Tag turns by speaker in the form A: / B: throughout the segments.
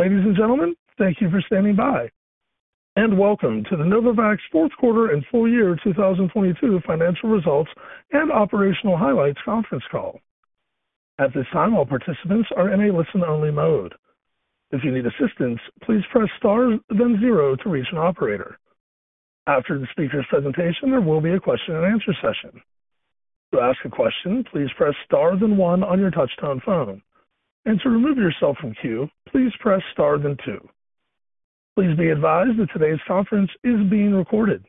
A: Ladies and gentlemen, thank you for standing by, welcome to the Novavax Fourth Quarter and Full Year 2022 Financial Results and Operational Highlights Conference Call. At this time, all participants are in a listen-only mode. If you need assistance, please press star then zero to reach an operator. After the speaker's presentation, there will be a question and answer session. To ask a question, please press star then one on your touch-tone phone. To remove yourself from queue, please press star then two. Please be advised that today's conference is being recorded.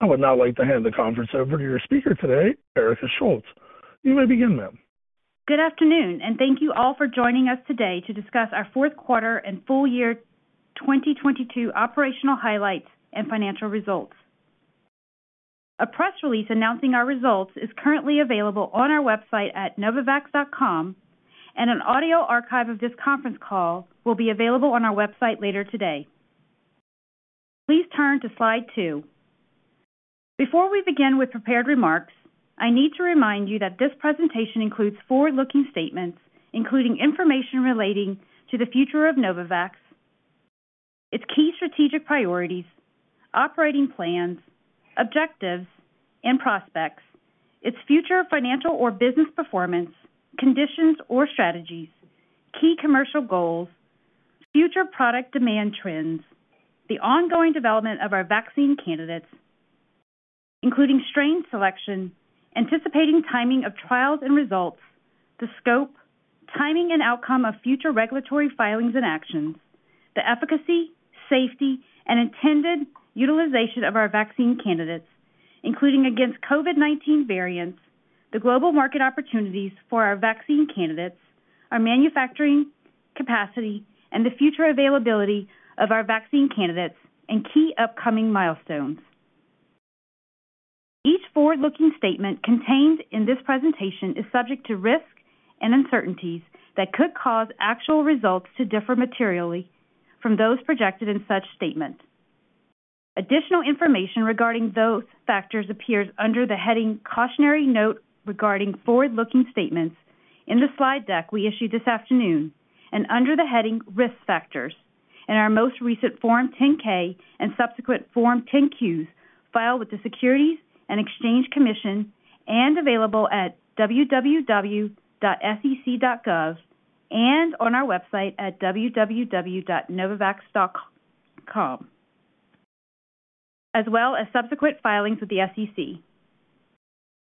A: I would now like to hand the conference over to your speaker today, Erika Schultz. You may begin, ma'am.
B: Good afternoon. Thank you all for joining us today to discuss our fourth quarter and full year 2022 operational highlights and financial results. A press release announcing our results is currently available on our website at Novavax.com. An audio archive of this conference call will be available on our website later today. Please turn to slide two. Before we begin with prepared remarks, I need to remind you that this presentation includes forward-looking statements, including information relating to the future of Novavax, its key strategic priorities, operating plans, objectives and prospects, its future financial or business performance, conditions or strategies, key commercial goals, future product demand trends, the ongoing development of our vaccine candidates, including strain selection, anticipating timing of trials and results, the scope, timing and outcome of future regulatory filings and actions, the efficacy, safety and intended utilization of our vaccine candidates, including against COVID-19 variants, the global market opportunities for our vaccine candidates, our manufacturing capacity, and the future availability of our vaccine candidates and key upcoming milestones. Each forward-looking statement contained in this presentation is subject to risk and uncertainties that could cause actual results to differ materially from those projected in such statements. Additional information regarding those factors appears under the heading Cautionary Note Regarding Forward-Looking Statements in the slide deck we issued this afternoon, and under the heading Risk Factors in our most recent Form 10-K and subsequent Form 10-Qs filed with the Securities and Exchange Commission and available at www.sec.gov and on our website at www.novavax.com, as well as subsequent filings with the SEC.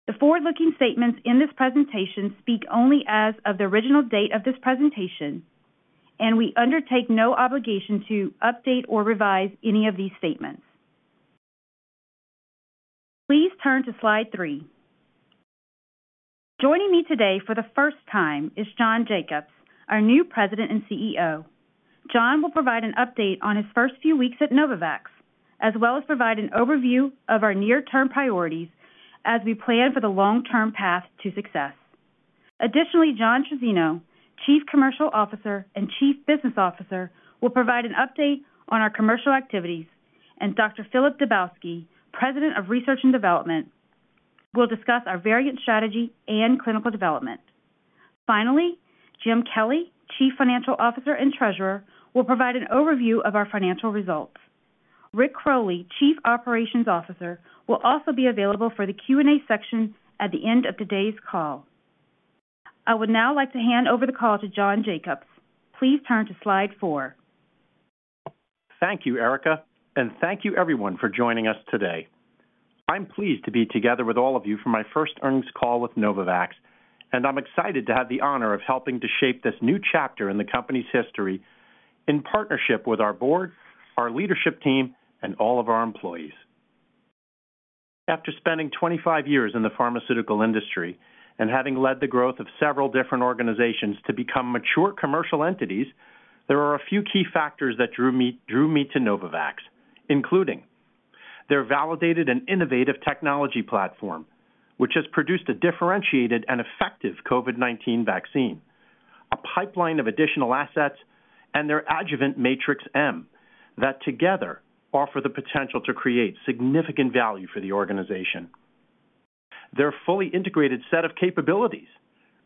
B: The forward-looking statements in this presentation speak only as of the original date of this presentation. We undertake no obligation to update or revise any of these statements. Please turn to slide three. Joining me today for the first time is John Jacobs, our new President and CEO. John will provide an update on his first few weeks at Novavax, as well as provide an overview of our near-term priorities as we plan for the long-term path to success. Additionally, John Trizzino, Chief Commercial Officer and Chief Business Officer, will provide an update on our commercial activities, and Dr. Filip Dubovský, President of Research and Development, will discuss our variant strategy and clinical development. Finally, Jim Kelly, Chief Financial Officer and Treasurer, will provide an overview of our financial results. Rick Crowley, Chief Operations Officer, will also be available for the Q&A section at the end of today's call. I would now like to hand over the call to John Jacobs. Please turn to slide four.
C: Thank you, Erika, thank you everyone for joining us today. I'm pleased to be together with all of you for my first earnings call with Novavax, and I'm excited to have the honor of helping to shape this new chapter in the company's history in partnership with our board, our leadership team, and all of our employees. After spending 25 years in the pharmaceutical industry and having led the growth of several different organizations to become mature commercial entities, there are a few key factors that drew me to Novavax, including their validated and innovative technology platform, which has produced a differentiated and effective COVID-19 vaccine, a pipeline of additional assets, and their Matrix-M that together offer the potential to create significant value for the organization. Their fully integrated set of capabilities,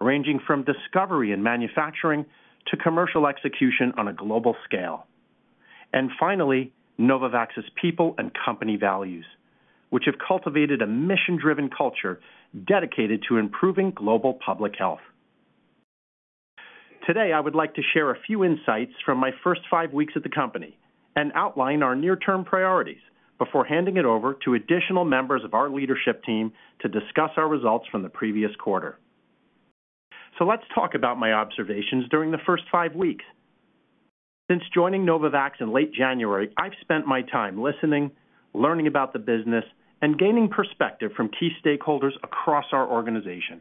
C: ranging from discovery and manufacturing to commercial execution on a global scale. Finally, Novavax's people and company values, which have cultivated a mission-driven culture dedicated to improving global public health. Today, I would like to share a few insights from my first five weeks at the company and outline our near-term priorities before handing it over to additional members of our leadership team to discuss our results from the previous quarter. Let's talk about my observations during the first five weeks. Since joining Novavax in late January, I've spent my time listening, learning about the business, and gaining perspective from key stakeholders across our organization.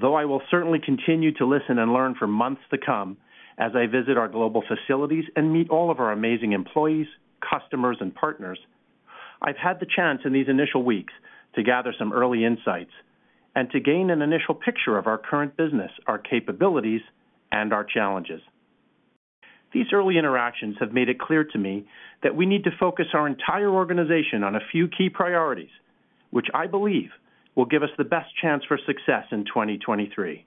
C: Though I will certainly continue to listen and learn for months to come as I visit our global facilities and meet all of our amazing employees, customers, and partners, I've had the chance in these initial weeks to gather some early insights and to gain an initial picture of our current business, our capabilities, and our challenges. These early interactions have made it clear to me that we need to focus our entire organization on a few key priorities, which I believe will give us the best chance for success in 2023.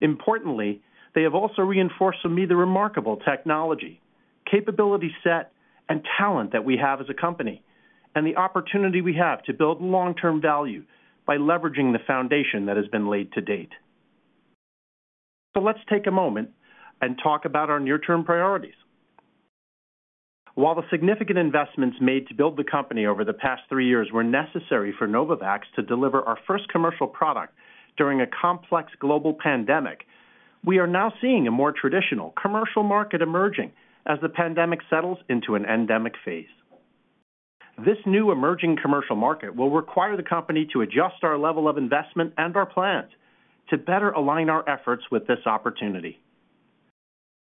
C: Importantly, they have also reinforced for me the remarkable technology, capability set, and talent that we have as a company, and the opportunity we have to build long-term value by leveraging the foundation that has been laid to date. Let's take a moment and talk about our near-term priorities. While the significant investments made to build the company over the past three years were necessary for Novavax to deliver our first commercial product during a complex global pandemic, we are now seeing a more traditional commercial market emerging as the pandemic settles into an endemic phase. This new emerging commercial market will require the company to adjust our level of investment and our plans to better align our efforts with this opportunity.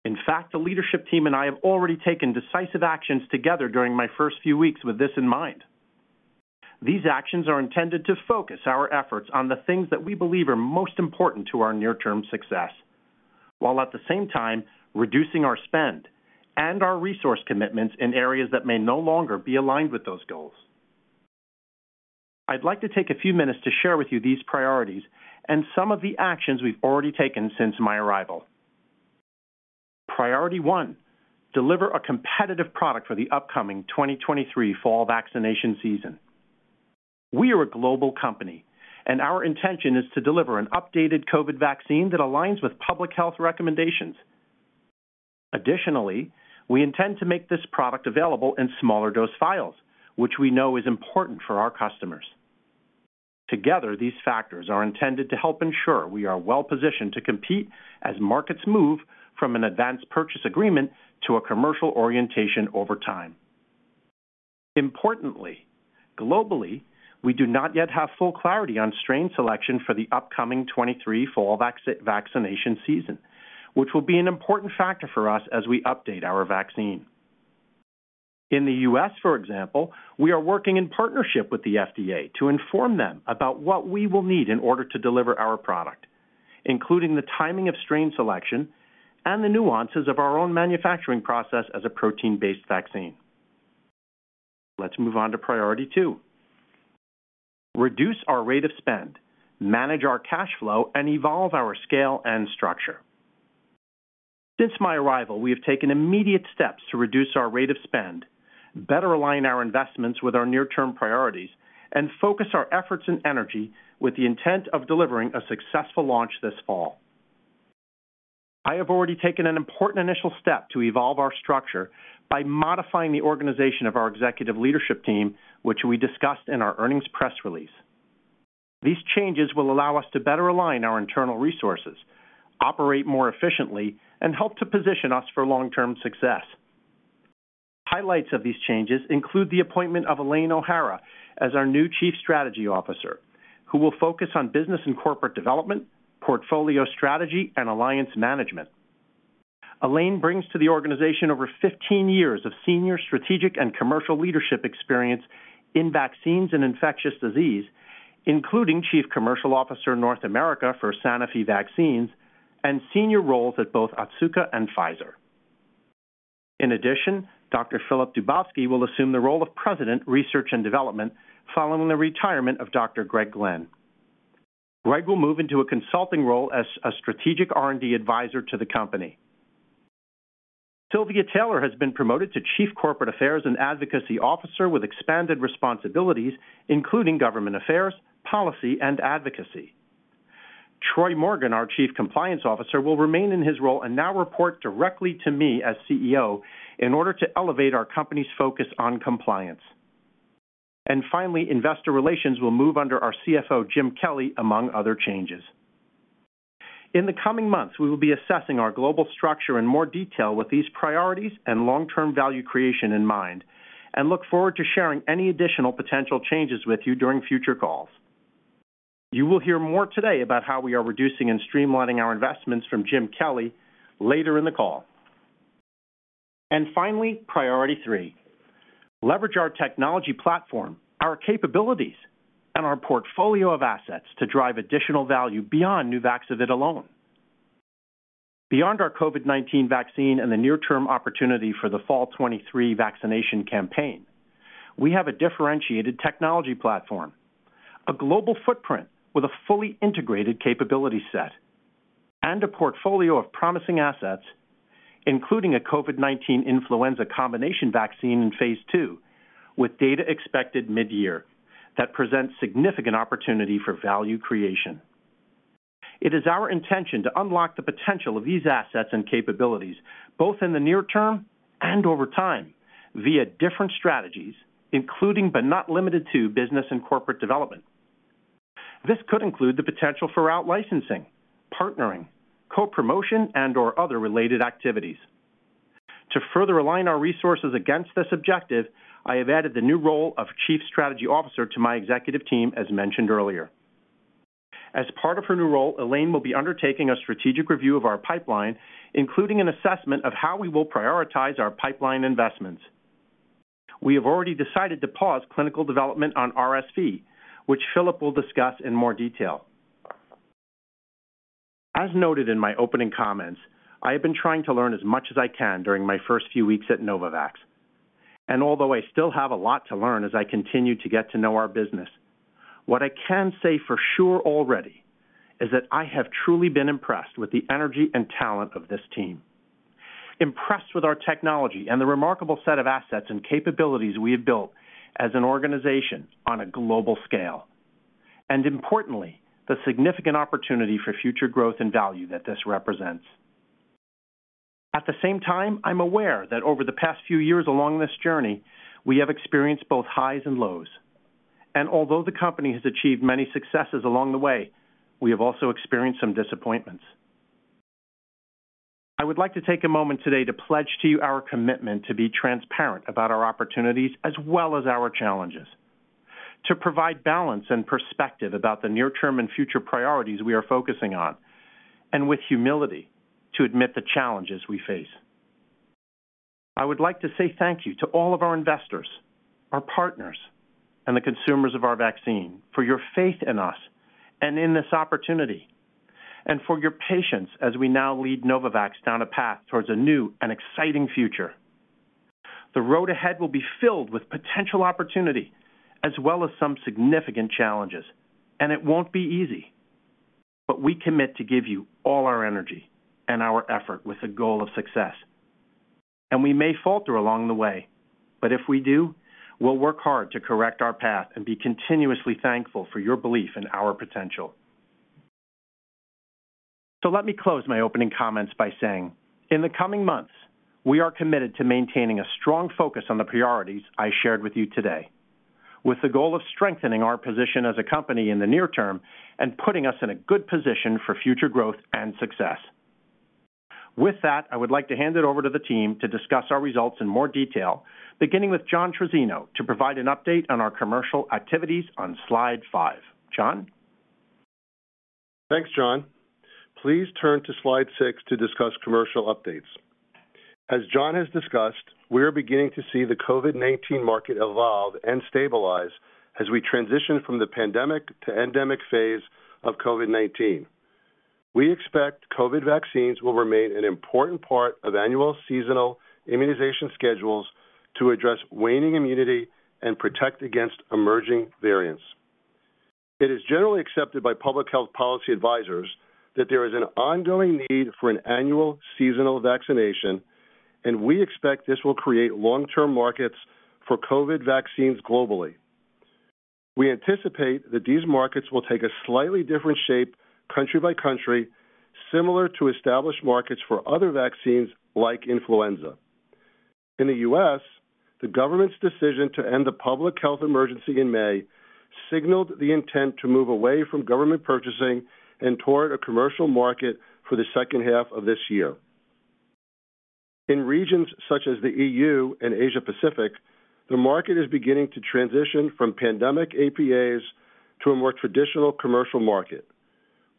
C: In fact, the leadership team and I have already taken decisive actions together during my first few weeks with this in mind. These actions are intended to focus our efforts on the things that we believe are most important to our near-term success, while at the same time reducing our spend and our resource commitments in areas that may no longer be aligned with those goals. I'd like to take a few minutes to share with you these priorities and some of the actions we've already taken since my arrival. Priority one, deliver a competitive product for the upcoming 2023 fall vaccination season. We are a global company. Our intention is to deliver an updated COVID vaccine that aligns with public health recommendations. Additionally, we intend to make this product available in smaller dose vials, which we know is important for our customers. Together, these factors are intended to help ensure we are well-positioned to compete as markets move from an advance purchase agreement to a commercial orientation over time. Importantly, globally, we do not yet have full clarity on strain selection for the upcoming 2023 fall vaccination season, which will be an important factor for us as we update our vaccine. In the U.S., for example, we are working in partnership with the FDA to inform them about what we will need in order to deliver our product, including the timing of strain selection and the nuances of our own manufacturing process as a protein-based vaccine. Let's move on to priority two. Reduce our rate of spend, manage our cash flow, and evolve our scale and structure. Since my arrival, we have taken immediate steps to reduce our rate of spend, better align our investments with our near-term priorities, and focus our efforts and energy with the intent of delivering a successful launch this fall. I have already taken an important initial step to evolve our structure by modifying the organization of our executive leadership team, which we discussed in our earnings press release. These changes will allow us to better align our internal resources, operate more efficiently, and help to position us for long-term success. Highlights of these changes include the appointment of Elaine O'Hara as our new chief strategy officer, who will focus on business and corporate development, portfolio strategy, and alliance management. Elaine brings to the organization over 15 years of senior strategic and commercial leadership experience in vaccines and infectious disease, including chief commercial officer, North America, for Sanofi Vaccines and senior roles at both Otsuka and Pfizer. In addition, Dr. Filip Dubovský will assume the role of President, Research and Development following the retirement of Dr. Greg Glenn. Greg will move into a consulting role as a strategic R&D advisor to the company. Silvia Taylor has been promoted to Chief Corporate Affairs and Advocacy Officer with expanded responsibilities, including government affairs, policy, and advocacy. Troy Morgan, our Chief Compliance Officer, will remain in his role and now report directly to me as CEO in order to elevate our company's focus on compliance. Finally, investor relations will move under our CFO, Jim Kelly, among other changes. In the coming months, we will be assessing our global structure in more detail with these priorities and long-term value creation in mind and look forward to sharing any additional potential changes with you during future calls. You will hear more today about how we are reducing and streamlining our investments from Jim Kelly later in the call. Finally, priority three, leverage our technology platform, our capabilities, and our portfolio of assets to drive additional value beyond Nuvaxovid alone. Beyond our COVID-19 vaccine and the near-term opportunity for the fall 2023 vaccination campaign, we have a differentiated technology platform, a global footprint with a fully integrated capability set, and a portfolio of promising assets, including a COVID-19-Influenza Combination vaccine in phase II with data expected mid-year that presents significant opportunity for value creation. It is our intention to unlock the potential of these assets and capabilities, both in the near term and over time via different strategies, including, but not limited to business and corporate development. This could include the potential for out licensing, partnering, co-promotion, and/or other related activities. To further align our resources against this objective, I have added the new role of chief strategy officer to my executive team, as mentioned earlier. As part of her new role, Elaine will be undertaking a strategic review of our pipeline, including an assessment of how we will prioritize our pipeline investments. We have already decided to pause clinical development on RSV, which Filip will discuss in more detail. As noted in my opening comments, I have been trying to learn as much as I can during my first few weeks at Novavax, and although I still have a lot to learn as I continue to get to know our business, what I can say for sure already is that I have truly been impressed with the energy and talent of this team, impressed with our technology and the remarkable set of assets and capabilities we have built as an organization on a global scale, and importantly, the significant opportunity for future growth and value that this represents. At the same time, I'm aware that over the past few years along this journey, we have experienced both highs and lows. Although the company has achieved many successes along the way, we have also experienced some disappointments. I would like to take a moment today to pledge to you our commitment to be transparent about our opportunities as well as our challenges, to provide balance and perspective about the near-term and future priorities we are focusing on, and with humility to admit the challenges we face. I would like to say thank you to all of our investors, our partners, and the consumers of our vaccine for your faith in us and in this opportunity, and for your patience as we now lead Novavax down a path towards a new and exciting future. The road ahead will be filled with potential opportunity as well as some significant challenges, and it won't be easy. We commit to give you all our energy and our effort with the goal of success. We may falter along the way, but if we do, we'll work hard to correct our path and be continuously thankful for your belief in our potential. Let me close my opening comments by saying, in the coming months, we are committed to maintaining a strong focus on the priorities I shared with you today, with the goal of strengthening our position as a company in the near term and putting us in a good position for future growth and success. With that, I would like to hand it over to the team to discuss our results in more detail, beginning with John Trizzino to provide an update on our commercial activities on slide five. John?
D: Thanks, John. Please turn to slide 6 to discuss commercial updates. As John has discussed, we are beginning to see the COVID-19 market evolve and stabilize as we transition from the pandemic to endemic phase of COVID-19. We expect COVID vaccines will remain an important part of annual seasonal immunization schedules to address waning immunity and protect against emerging variants. It is generally accepted by public health policy advisors that there is an ongoing need for an annual seasonal vaccination, and we expect this will create long-term markets for COVID vaccines globally. We anticipate that these markets will take a slightly different shape country by country, similar to established markets for other vaccines like influenza. In the U.S., the government's decision to end the public health emergency in May signaled the intent to move away from government purchasing and toward a commercial market for the second half of this year. In regions such as the E.U. and Asia Pacific, the market is beginning to transition from pandemic APAs to a more traditional commercial market.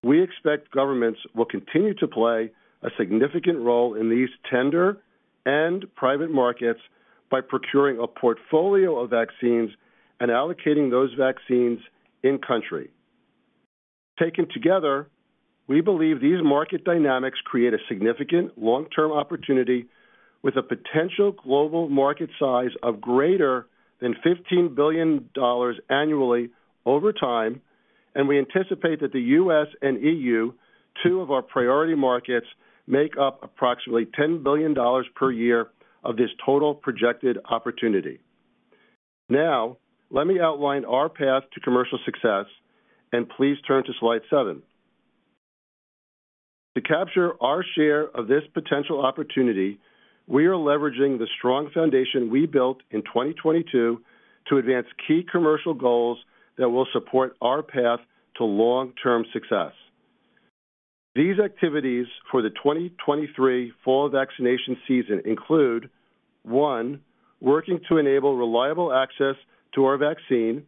D: We expect governments will continue to play a significant role in these tender and private markets by procuring a portfolio of vaccines and allocating those vaccines in country. Taken together, we believe these market dynamics create a significant long-term opportunity with a potential global market size of greater than $15 billion annually over time. We anticipate that the U.S. and E.U., two of our priority markets, make up approximately $10 billion per year of this total projected opportunity. Now, let me outline our path to commercial success, and please turn to slide seven. To capture our share of this potential opportunity, we are leveraging the strong foundation we built in 2022 to advance key commercial goals that will support our path to long-term success. These activities for the 2023 fall vaccination season include, 1, working to enable reliable access to our vaccine.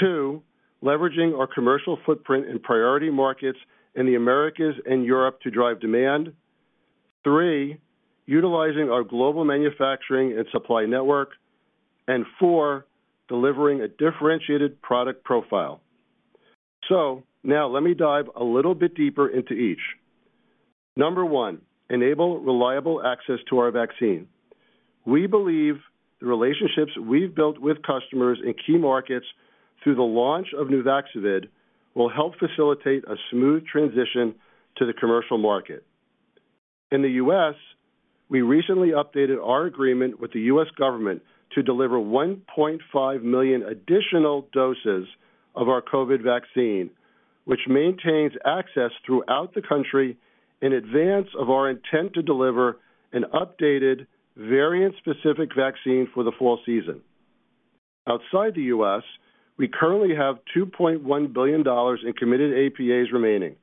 D: 2, leveraging our commercial footprint in priority markets in the Americas and Europe to drive demand. 3, utilizing our global manufacturing and supply network. 4, delivering a differentiated product profile. Now let me dive a little bit deeper into each. Number 1, enable reliable access to our vaccine. We believe the relationships we've built with customers in key markets through the launch of Nuvaxovid will help facilitate a smooth transition to the commercial market. In the U.S., we recently updated our agreement with the U.S. Government to deliver 1.5 million additional doses of our COVID-19 vaccine, which maintains access throughout the country in advance of our intent to deliver an updated variant-specific vaccine for the fall season. Outside the U.S., we currently have $2.1 billion in committed APAs remaining.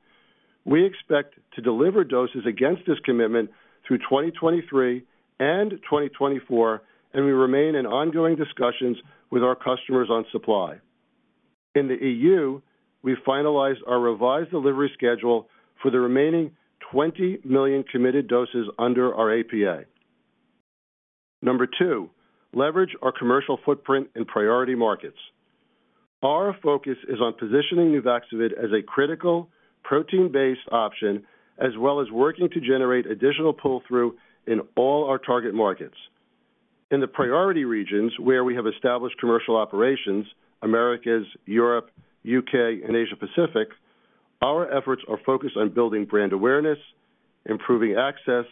D: We expect to deliver doses against this commitment through 2023 and 2024, and we remain in ongoing discussions with our customers on supply. In the E.U., we finalized our revised delivery schedule for the remaining 20 million committed doses under our APA. Number two, leverage our commercial footprint in priority markets. Our focus is on positioning Nuvaxovid as a critical protein-based option, as well as working to generate additional pull-through in all our target markets. In the priority regions where we have established commercial operations, Americas, Europe, U.K., and Asia Pacific, our efforts are focused on building brand awareness, improving access,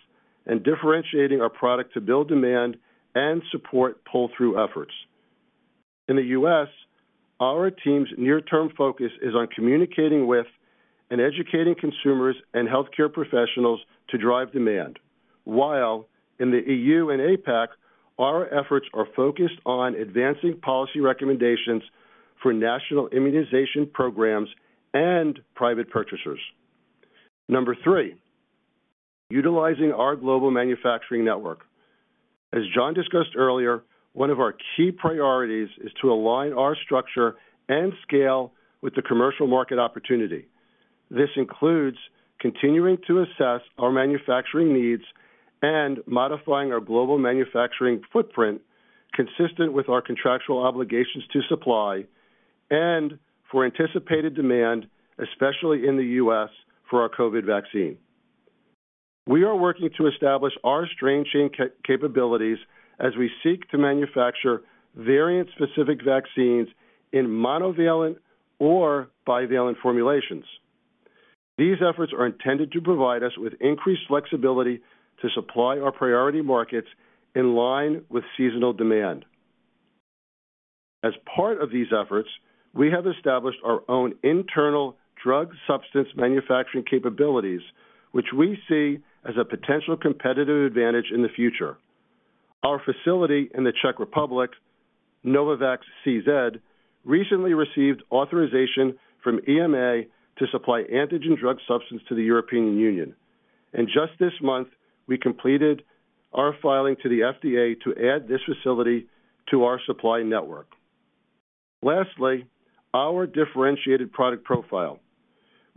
D: and differentiating our product to build demand and support pull-through efforts. In the U.S., our team's near-term focus is on communicating with and educating consumers and healthcare professionals to drive demand. While in the E.U. and APAC, our efforts are focused on advancing policy recommendations for national immunization programs and private purchasers. Number three, utilizing our global manufacturing network. As John discussed earlier, one of our key priorities is to align our structure and scale with the commercial market opportunity. This includes continuing to assess our manufacturing needs and modifying our global manufacturing footprint consistent with our contractual obligations to supply and for anticipated demand, especially in the US for our COVID vaccine. We are working to establish our strain change capabilities as we seek to manufacture variant-specific vaccines in monovalent or bivalent formulations. These efforts are intended to provide us with increased flexibility to supply our priority markets in line with seasonal demand. As part of these efforts, we have established our own internal drug substance manufacturing capabilities, which we see as a potential competitive advantage in the future. Our facility in the Czech Republic, Novavax CZ, recently received authorization from EMA to supply antigen drug substance to the European Union. Just this month, we completed our filing to the FDA to add this facility to our supply network. Lastly, our differentiated product profile.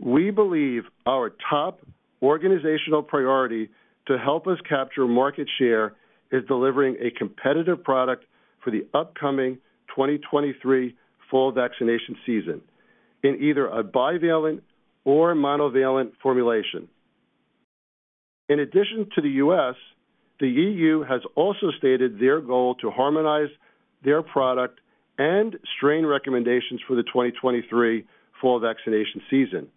D: We believe our top organizational priority to help us capture market share is delivering a competitive product for the upcoming 2023 fall vaccination season in either a bivalent or monovalent formulation. In addition to the U.S., the E.U. has also stated their goal to harmonize their product and strain recommendations for the 2023 fall vaccination season.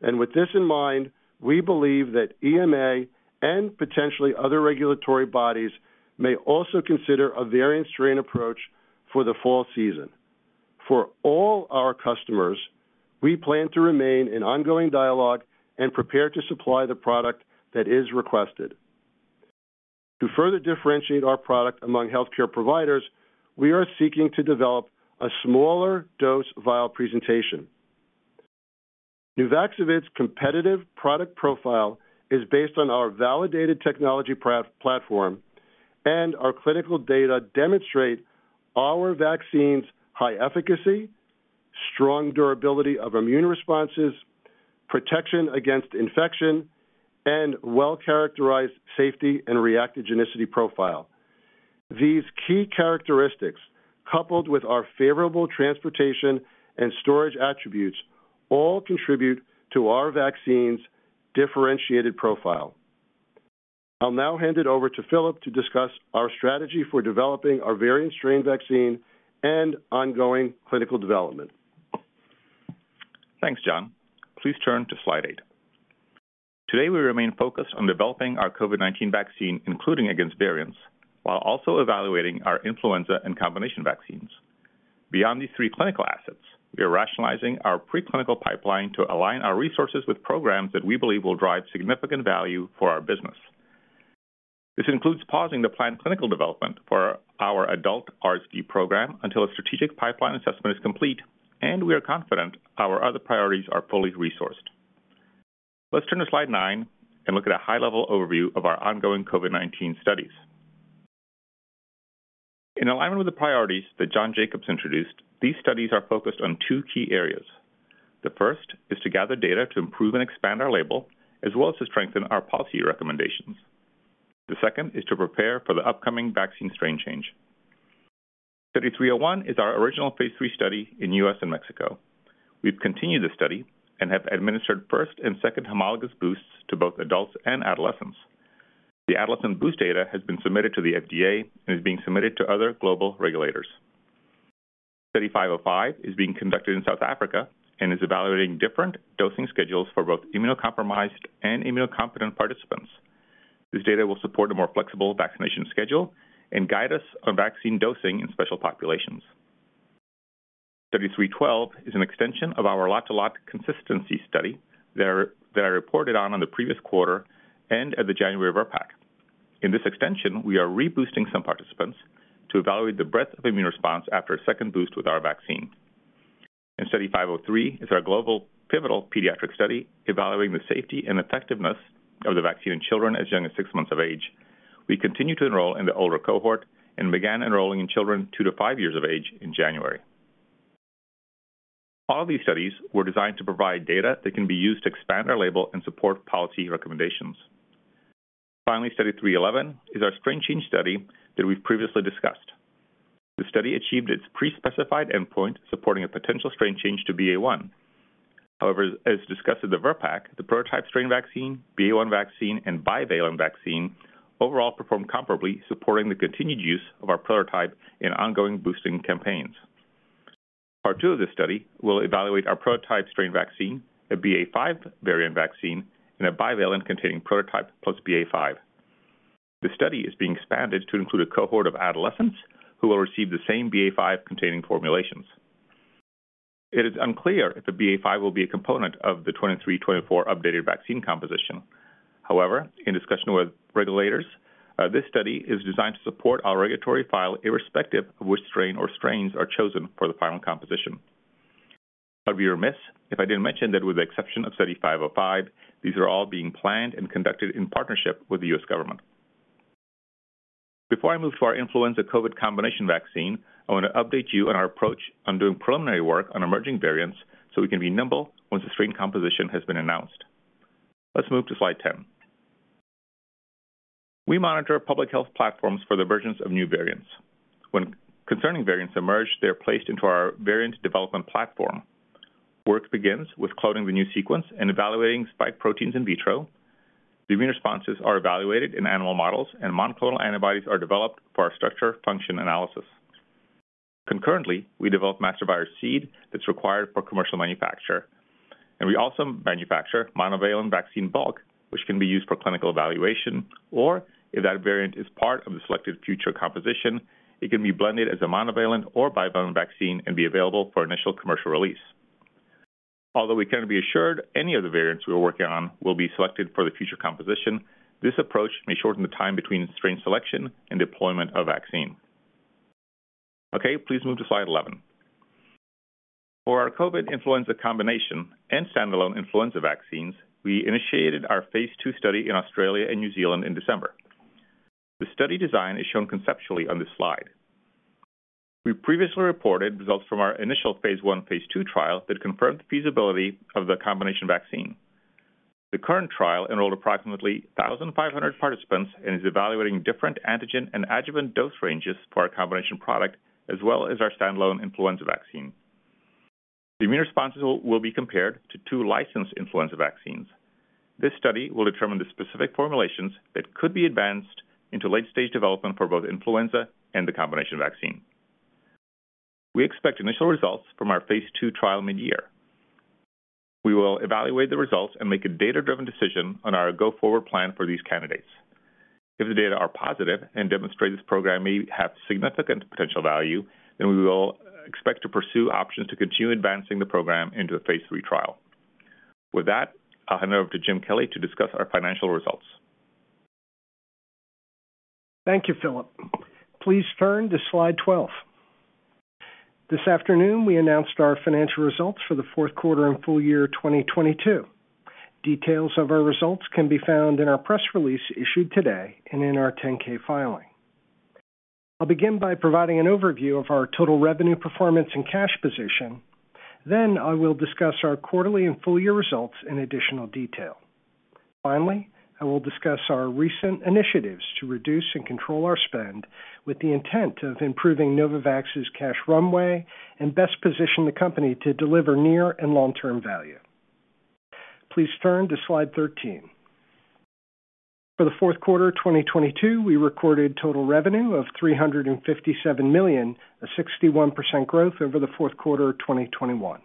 D: With this in mind, we believe that EMA and potentially other regulatory bodies may also consider a variant strain approach for the fall season. For all our customers, we plan to remain in ongoing dialogue and prepare to supply the product that is requested. To further differentiate our product among healthcare providers, we are seeking to develop a smaller dose vial presentation. Nuvaxovid's competitive product profile is based on our validated technology platform, and our clinical data demonstrate our vaccine's high efficacy, strong durability of immune responses, protection against infection, and well-characterized safety and reactogenicity profile. These key characteristics, coupled with our favorable transportation and storage attributes, all contribute to our vaccine's differentiated profile. I'll now hand it over to Filip to discuss our strategy for developing our variant strain vaccine and ongoing clinical development.
E: Thanks, John. Please turn to slide eight. Today, we remain focused on developing our COVID-19 vaccine, including against variants, while also evaluating our influenza and combination vaccines. Beyond these three clinical assets, we are rationalizing our preclinical pipeline to align our resources with programs that we believe will drive significant value for our business. This includes pausing the planned clinical development for our adult RSV program until a strategic pipeline assessment is complete, and we are confident our other priorities are fully resourced. Let's turn to slide nine and look at a high-level overview of our ongoing COVID-19 studies. In alignment with the priorities that John Jacobs introduced, these studies are focused on two key areas. The first is to gather data to improve and expand our label, as well as to strengthen our policy recommendations. The second is to prepare for the upcoming vaccine strain change. Study 301 is our original phase III study in U.S. and Mexico. We've continued this study and have administered first and second homologous boosts to both adults and adolescents. The adolescent boost data has been submitted to the FDA and is being submitted to other global regulators. Study 505 is being conducted in South Africa and is evaluating different dosing schedules for both immunocompromised and immunocompetent participants. This data will support a more flexible vaccination schedule and guide us on vaccine dosing in special populations. Study 312 is an extension of our lot-to-lot consistency study that I reported on the previous quarter and at the January VRBPAC. In this extension, we are reboosting some participants to evaluate the breadth of immune response after a second boost with our vaccine. Study 503 is our global pivotal pediatric study evaluating the safety and effectiveness of the vaccine in children as young as six months of age. We continue to enroll in the older cohort and began enrolling in children two to five years of age in January. All these studies were designed to provide data that can be used to expand our label and support policy recommendations. Study 311 is our strain change study that we've previously discussed. The study achieved its pre-specified endpoint, supporting a potential strain change to BA.1. However, as discussed at the VRBPAC, the prototype strain vaccine, BA.1 vaccine, and bivalent vaccine overall performed comparably, supporting the continued use of our prototype in ongoing boosting campaigns. Part two of this study will evaluate our prototype strain vaccine, a BA.5 variant vaccine, and a bivalent containing prototype plus BA.5. The study is being expanded to include a cohort of adolescents who will receive the same BA.5-containing formulations. It is unclear if the BA.5 will be a component of the 2023-2024 updated vaccine composition. In discussion with regulators, this study is designed to support our regulatory file irrespective of which strain or strains are chosen for the final composition. I'd be remiss if I didn't mention that with the exception of Study 505, these are all being planned and conducted in partnership with the U.S. Government. Before I move to our influenza COVID-19 combination vaccine, I want to update you on our approach on doing preliminary work on emerging variants so we can be nimble once the strain composition has been announced. Let's move to slide 10. We monitor public health platforms for the versions of new variants. When concerning variants emerge, they are placed into our variant development platform. Work begins with cloning the new sequence and evaluating spike proteins in vitro. The immune responses are evaluated in animal models, and monoclonal antibodies are developed for our structure function analysis. Concurrently, we develop master virus seed that's required for commercial manufacture, and we also manufacture monovalent vaccine bulk, which can be used for clinical evaluation. If that variant is part of the selected future composition, it can be blended as a monovalent or bivalent vaccine and be available for initial commercial release. Although we cannot be assured any of the variants we are working on will be selected for the future composition, this approach may shorten the time between strain selection and deployment of vaccine. Okay, please move to slide 11. For our COVID-19-Influenza Combination and standalone influenza vaccines, we initiated our phase II study in Australia and New Zealand in December. The study design is shown conceptually on this slide. We previously reported results from our initial phase I, phase II trial that confirmed the feasibility of the combination vaccine. The current trial enrolled approximately 1,500 participants and is evaluating different antigen and adjuvant dose ranges for our combination product as well as our standalone influenza vaccine. The immune responses will be compared to two licensed influenza vaccines. This study will determine the specific formulations that could be advanced into late-stage development for both influenza and the combination vaccine. We expect initial results from our phase II trial mid-year. We will evaluate the results and make a data-driven decision on our go-forward plan for these candidates. If the data are positive and demonstrate this program may have significant potential value, we will expect to pursue options to continue advancing the program into a phase III trial. With that, I'll hand over to Jim Kelly to discuss our financial results.
F: Thank you, Filip. Please turn to slide 12. This afternoon, we announced our financial results for the fourth quarter and full year 2022. Details of our results can be found in our press release issued today and in our Form 10-K filing. I'll begin by providing an overview of our total revenue performance and cash position. I will discuss our quarterly and full-year results in additional detail. I will discuss our recent initiatives to reduce and control our spend with the intent of improving Novavax's cash runway and best position the company to deliver near and long-term value. Please turn to slide 13. For the fourth quarter 2022, we recorded total revenue of $357 million, a 61% growth over the fourth quarter of 2021.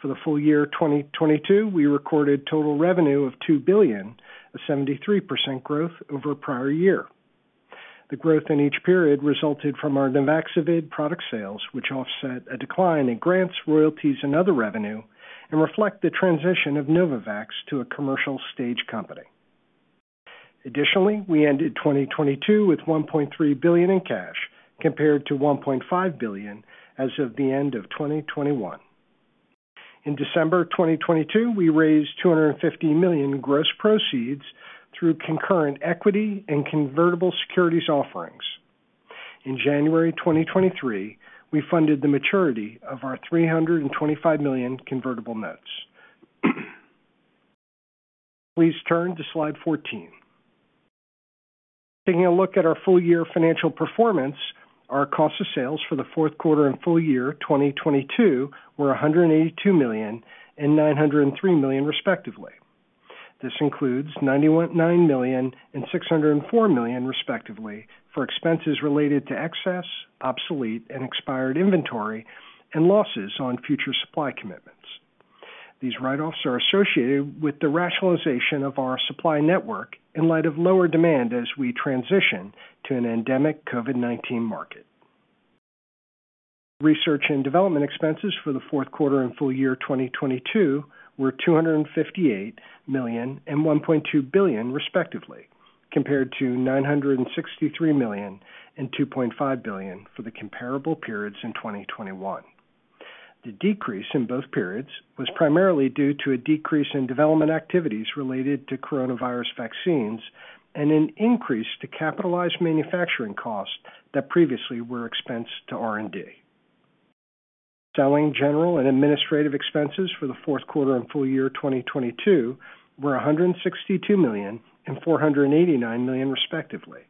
F: For the full year 2022, we recorded total revenue of $2 billion, a 73% growth over prior year. The growth in each period resulted from our Nuvaxovid product sales, which offset a decline in grants, royalties, and other revenue, and reflect the transition of Novavax to a commercial stage company. Additionally, we ended 2022 with $1.3 billion in cash, compared to $1.5 billion as of the end of 2021. In December 2022, we raised $250 million gross proceeds through concurrent equity and convertible securities offerings. In January 2023, we funded the maturity of our $325 million convertible notes. Please turn to slide 14. Taking a look at our full year financial performance, our cost of sales for the fourth quarter and full year 2022 were $182 million and $903 million respectively. This includes $91.9 million and $604 million respectively for expenses related to excess, obsolete, and expired inventory, and losses on future supply commitments. These write-offs are associated with the rationalization of our supply network in light of lower demand as we transition to an endemic COVID-19 market. Research and development expenses for the fourth quarter and full year 2022 were $258 million and $1.2 billion respectively, compared to $963 million and $2.5 billion for the comparable periods in 2021. The decrease in both periods was primarily due to a decrease in development activities related to coronavirus vaccines and an increase to capitalized manufacturing costs that previously were expensed to R&D. Selling, general, and administrative expenses for the fourth quarter and full year 2022 were $162 million and $489 million, respectively,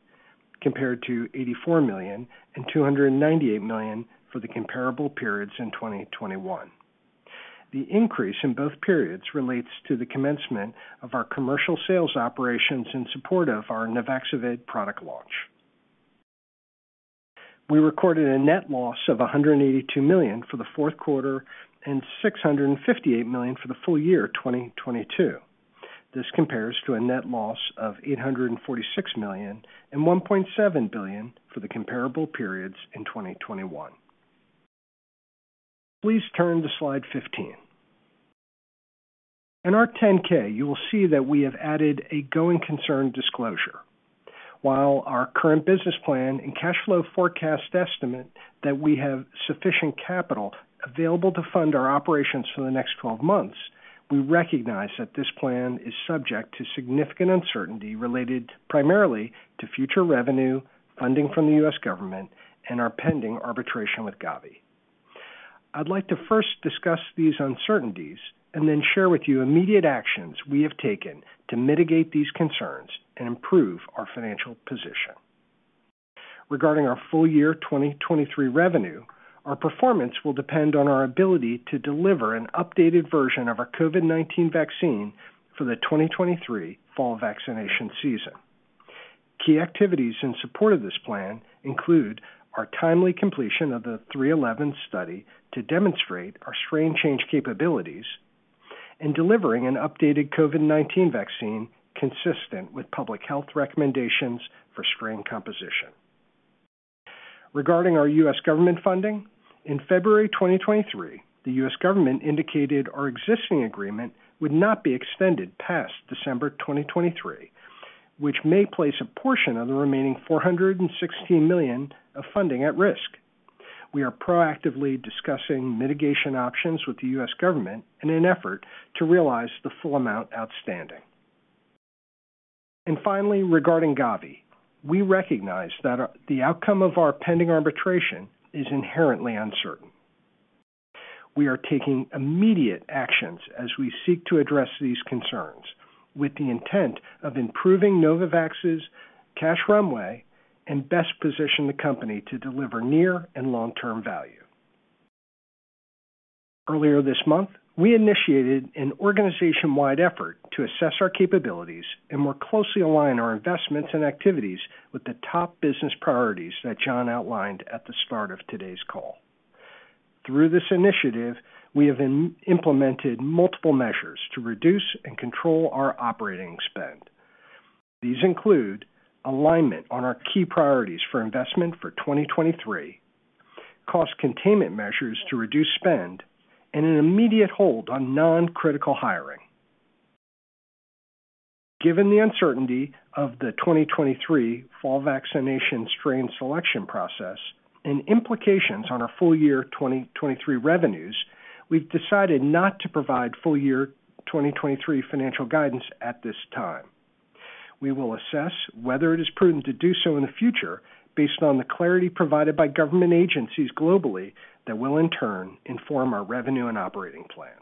F: compared to $84 million and $298 million for the comparable periods in 2021. The increase in both periods relates to the commencement of our commercial sales operations in support of our Nuvaxovid product launch. We recorded a net loss of $182 million for the fourth quarter and $658 million for the full year 2022. This compares to a net loss of $846 million and $1.7 billion for the comparable periods in 2021. Please turn to slide 15. In our 10-K, you will see that we have added a going concern disclosure. While our current business plan and cash flow forecast estimate that we have sufficient capital available to fund our operations for the next 12 months, we recognize that this plan is subject to significant uncertainty related primarily to future revenue, funding from the U.S. Government, and our pending arbitration with Gavi. I'd like to first discuss these uncertainties and then share with you immediate actions we have taken to mitigate these concerns and improve our financial position. Regarding our full year 2023 revenue, our performance will depend on our ability to deliver an updated version of our COVID-19 vaccine for the 2023 fall vaccination season. Key activities in support of this plan include our timely completion of the Study 311 to demonstrate our strain change capabilities and delivering an updated COVID-19 vaccine consistent with public health recommendations for strain composition. Regarding our U.S. Government funding, in February 2023, the U.S. Government indicated our existing agreement would not be extended past December 2023, which may place a portion of the remaining $416 million of funding at risk. We are proactively discussing mitigation options with the U.S. Government in an effort to realize the full amount outstanding. Finally, regarding Gavi, we recognize that the outcome of our pending arbitration is inherently uncertain. We are taking immediate actions as we seek to address these concerns with the intent of improving Novavax's cash runway and best position the company to deliver near and long-term value. Earlier this month, we initiated an organization-wide effort to assess our capabilities and more closely align our investments and activities with the top business priorities that John outlined at the start of today's call. Through this initiative, we have implemented multiple measures to reduce and control our operating spend. These include alignment on our key priorities for investment for 2023, cost containment measures to reduce spend, and an immediate hold on non-critical hiring. Given the uncertainty of the 2023 fall vaccination strain selection process and implications on our full year 2023 revenues, we've decided not to provide full year 2023 financial guidance at this time. We will assess whether it is prudent to do so in the future based on the clarity provided by government agencies globally that will, in turn, inform our revenue and operating plans.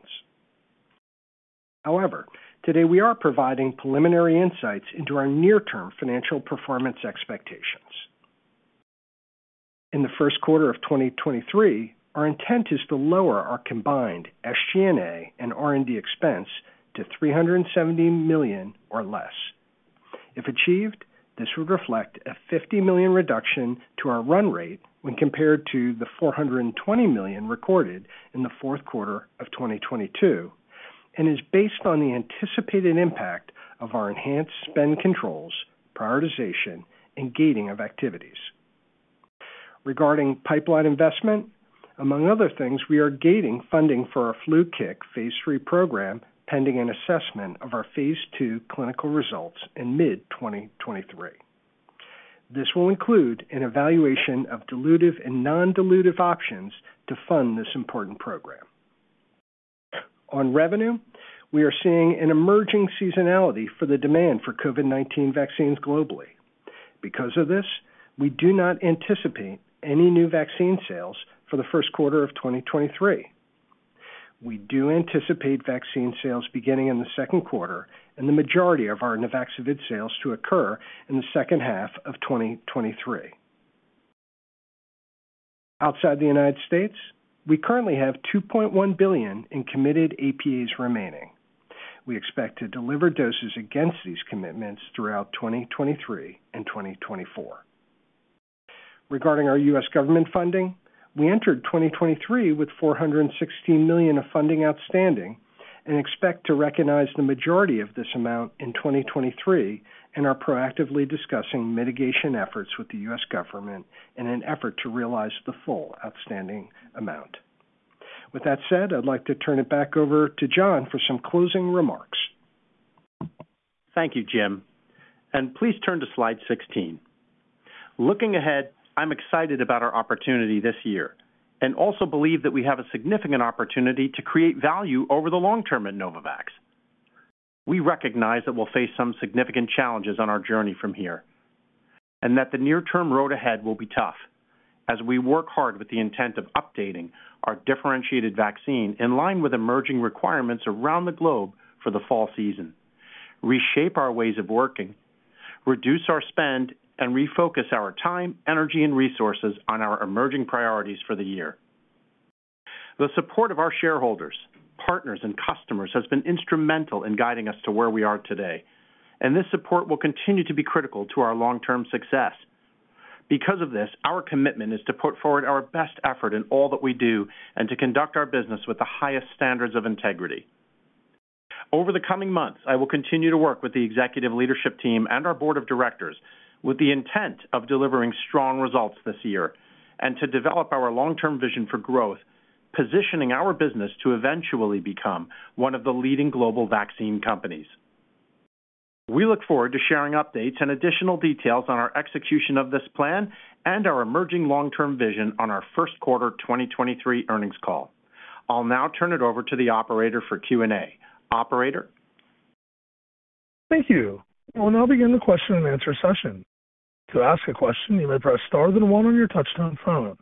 F: However, today we are providing preliminary insights into our near-term financial performance expectations. In the first quarter of 2023, our intent is to lower our combined SG&A and R&D expense to $370 million or less. If achieved, this would reflect a $50 million reduction to our run rate when compared to the $420 million recorded in the fourth quarter of 2022 and is based on the anticipated impact of our enhanced spend controls, prioritization, and gating of activities. Regarding pipeline investment, among other things, we are gating funding for our NanoFlu phase III program, pending an assessment of our phase II clinical results in mid-2023. This will include an evaluation of dilutive and non-dilutive options to fund this important program. On revenue, we are seeing an emerging seasonality for the demand for COVID-19 vaccines globally. Because of this, we do not anticipate any new vaccine sales for the first quarter of 2023. We do anticipate vaccine sales beginning in the second quarter and the majority of our Nuvaxovid sales to occur in the second half of 2023. Outside the United States, we currently have $2.1 billion in committed APAs remaining. We expect to deliver doses against these commitments throughout 2023 and 2024. Regarding our U.S. Government funding, we entered 2023 with $416 million of funding outstanding and expect to recognize the majority of this amount in 2023 and are proactively discussing mitigation efforts with the U.S. Government in an effort to realize the full outstanding amount. With that said, I'd like to turn it back over to John for some closing remarks.
C: Thank you, Jim. Please turn to slide 16. Looking ahead, I'm excited about our opportunity this year and also believe that we have a significant opportunity to create value over the long term at Novavax. We recognize that we'll face some significant challenges on our journey from here, and that the near-term road ahead will be tough as we work hard with the intent of updating our differentiated vaccine in line with emerging requirements around the globe for the fall season, reshape our ways of working, reduce our spend, and refocus our time, energy, and resources on our emerging priorities for the year. The support of our shareholders, partners, and customers has been instrumental in guiding us to where we are today, and this support will continue to be critical to our long-term success. Because of this, our commitment is to put forward our best effort in all that we do and to conduct our business with the highest standards of integrity. Over the coming months, I will continue to work with the executive leadership team and our board of directors with the intent of delivering strong results this year and to develop our long-term vision for growth, positioning our business to eventually become one of the leading global vaccine companies. We look forward to sharing updates and additional details on our execution of this plan and our emerging long-term vision on our first quarter 2023 earnings call. I'll now turn it over to the operator for Q&A. Operator?
A: Thank you. We'll now begin the question and answer session. To ask a question, you may press star then one on your touchtone phone.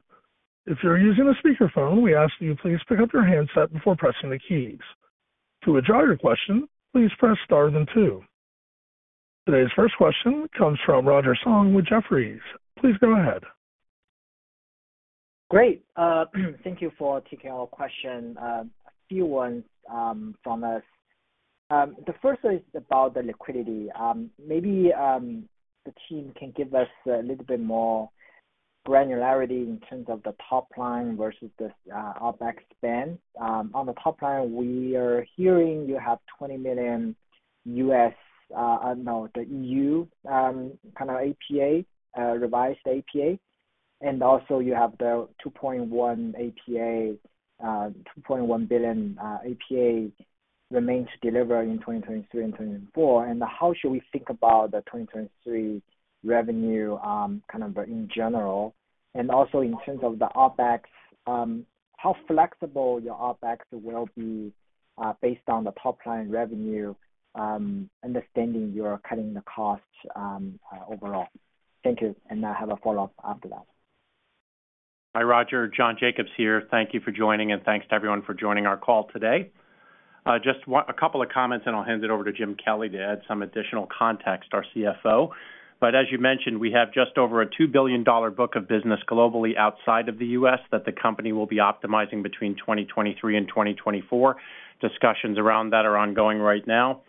A: If you're using a speakerphone, we ask that you please pick up your handset before pressing the keys. To withdraw your question, please press star then two. Today's first question comes from Roger Song with Jefferies. Please go ahead.
G: Great. thank you for taking our question. A few ones from us. The first is about the liquidity. Maybe the team can give us a little bit more granularity in terms of the top line versus the OpEx spend. On the top line, we are hearing you have 20 million kind of APA, revised APA. Also you have the $2.1 billion APA remains delivered in 2023 and 2024. How should we think about the 2023 revenue kind of in general? Also in terms of the OpEx, how flexible your OpEx will be based on the top line revenue, understanding you're cutting the costs overall. Thank you, and I have a follow-up after that.
C: Hi, Roger. John Jacobs here. Thank you for joining, and thanks to everyone for joining our call today. just a couple of comments, and I'll hand it over to Jim Kelly to add some additional context, our CFO. As you mentioned, we have just over a $2 billion book of business globally outside of the U.S. that the company will be optimizing between 2023 and 2024. Discussions around that are ongoing right now.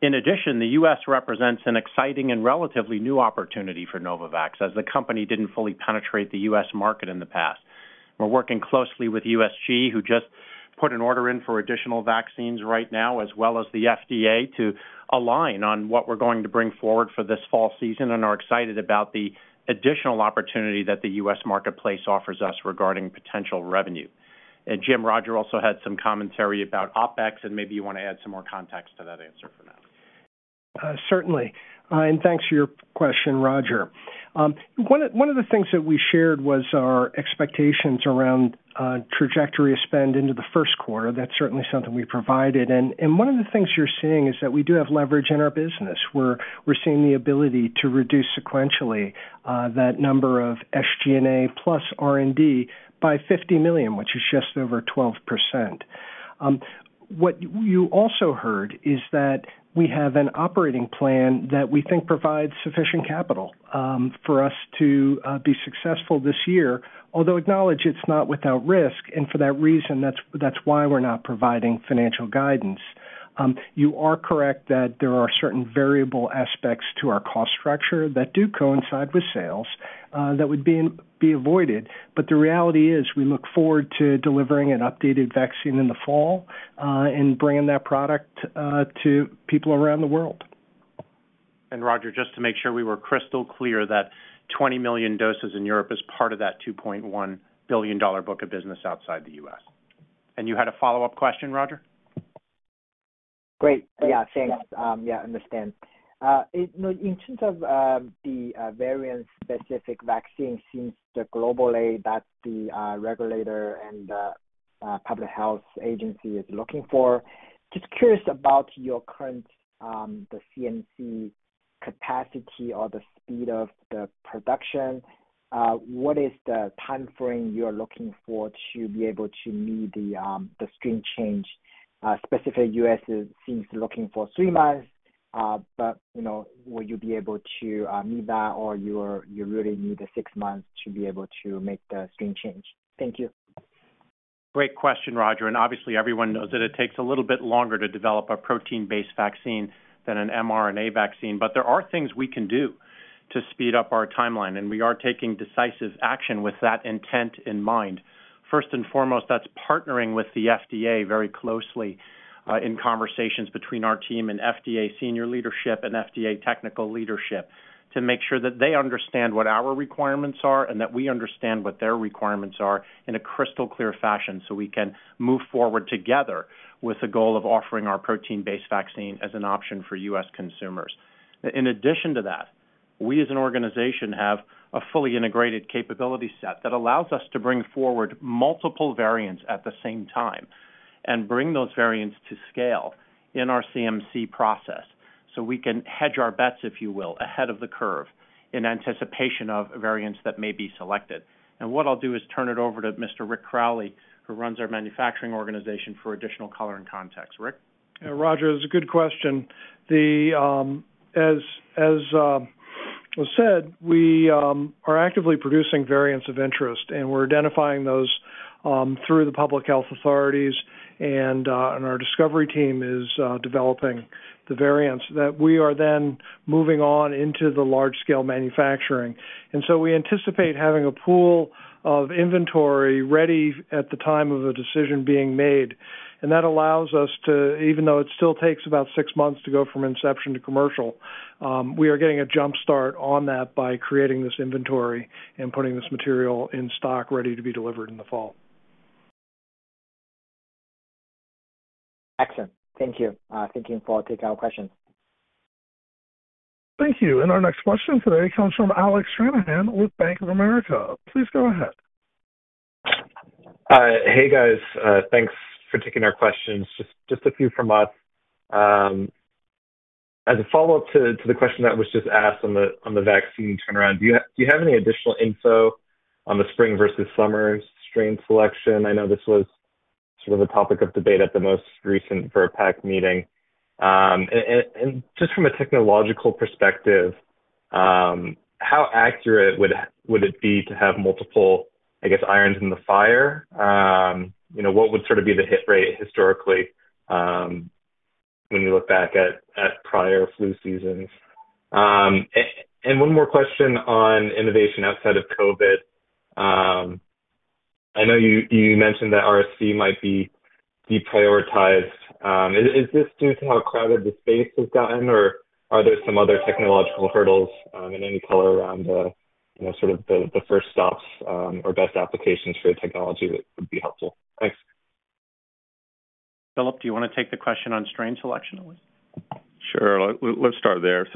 C: In addition, the U.S. represents an exciting and relatively new opportunity for Novavax, as the company didn't fully penetrate the U.S. market in the past. We're working closely with USG, who just put an order in for additional vaccines right now, as well as the FDA, to align on what we're going to bring forward for this fall season and are excited about the additional opportunity that the U.S. marketplace offers us regarding potential revenue. Jim, Roger also had some commentary about OpEx, and maybe you want to add some more context to that answer for now.
F: Certainly. Thanks for your question, Roger. One of the things that we shared was our expectations around trajectory of spend into the first quarter. That's certainly something we provided. One of the things you're seeing is that we do have leverage in our business. We're seeing the ability to reduce sequentially that number of SG&A plus R&D by $50 million, which is just over 12%. What you also heard is that we have an operating plan that we think provides sufficient capital for us to be successful this year, although acknowledge it's not without risk, for that reason, that's why we're not providing financial guidance. You are correct that there are certain variable aspects to our cost structure that do coincide with sales that would be avoided. The reality is we look forward to delivering an updated vaccine in the fall, and bringing that product to people around the world.
C: Roger, just to make sure we were crystal clear that 20 million doses in Europe is part of that $2.1 billion book of business outside the U.S. You had a follow-up question, Roger?
G: Great. Yeah. Thanks. Yeah, understand. You know, in terms of the variant-specific vaccine since the globally that the regulator and the public health agency is looking for, just curious about your current the CMC capacity or the speed of the production. What is the timeframe you're looking for to be able to meet the strain change specific U.S. since looking for three months, but, you know, will you be able to meet that or you're, you really need the six months to be able to make the strain change? Thank you.
C: Great question, Roger. Obviously everyone knows that it takes a little bit longer to develop a protein-based vaccine than an mRNA vaccine. There are things we can do to speed up our timeline, and we are taking decisive action with that intent in mind. First and foremost, that's partnering with the FDA very closely in conversations between our team and FDA senior leadership and FDA technical leadership to make sure that they understand what our requirements are and that we understand what their requirements are in a crystal clear fashion so we can move forward together with the goal of offering our protein-based vaccine as an option for U.S. consumers. In addition to that, we as an organization have a fully integrated capability set that allows us to bring forward multiple variants at the same time and bring those variants to scale in our CMC process so we can hedge our bets, if you will, ahead of the curve in anticipation of variants that may be selected. What I'll do is turn it over to Mr. Rick Crowley, who runs our manufacturing organization, for additional color and context. Rick?
H: Yeah, Roger, it's a good question. As was said, we are actively producing variants of interest, and we're identifying those through the public health authorities. Our discovery team is developing the variants that we are then moving on into the large scale manufacturing. We anticipate having a pool of inventory ready at the time of a decision being made. That allows us to, even though it still takes about six months to go from inception to commercial, we are getting a jump start on that by creating this inventory and putting this material in stock ready to be delivered in the fall.
G: Excellent. Thank you. Thank you for taking our question.
A: Thank you. Our next question today comes from Alec Stranahan with Bank of America. Please go ahead.
I: Hey, guys. Thanks for taking our questions. Just a few from us. As a follow-up to the question that was just asked on the vaccine turnaround, do you have any additional info on the spring versus summer strain selection? I know this was sort of a topic of debate at the most recent VRBPAC meeting. Just from a technological perspective, how accurate would it be to have multiple, I guess, irons in the fire? You know, what would sort of be the hit rate historically, when you look back at prior flu seasons? One more question on innovation outside of COVID-19. I know you mentioned that RSV might be deprioritized. Is this due to how crowded the space has gotten, or are there some other technological hurdles? Any color around the, you know, sort of the first stops, or best applications for the technology would be helpful. Thanks.
C: Filip, do you want to take the question on strain selection?
E: Sure. Let's start there.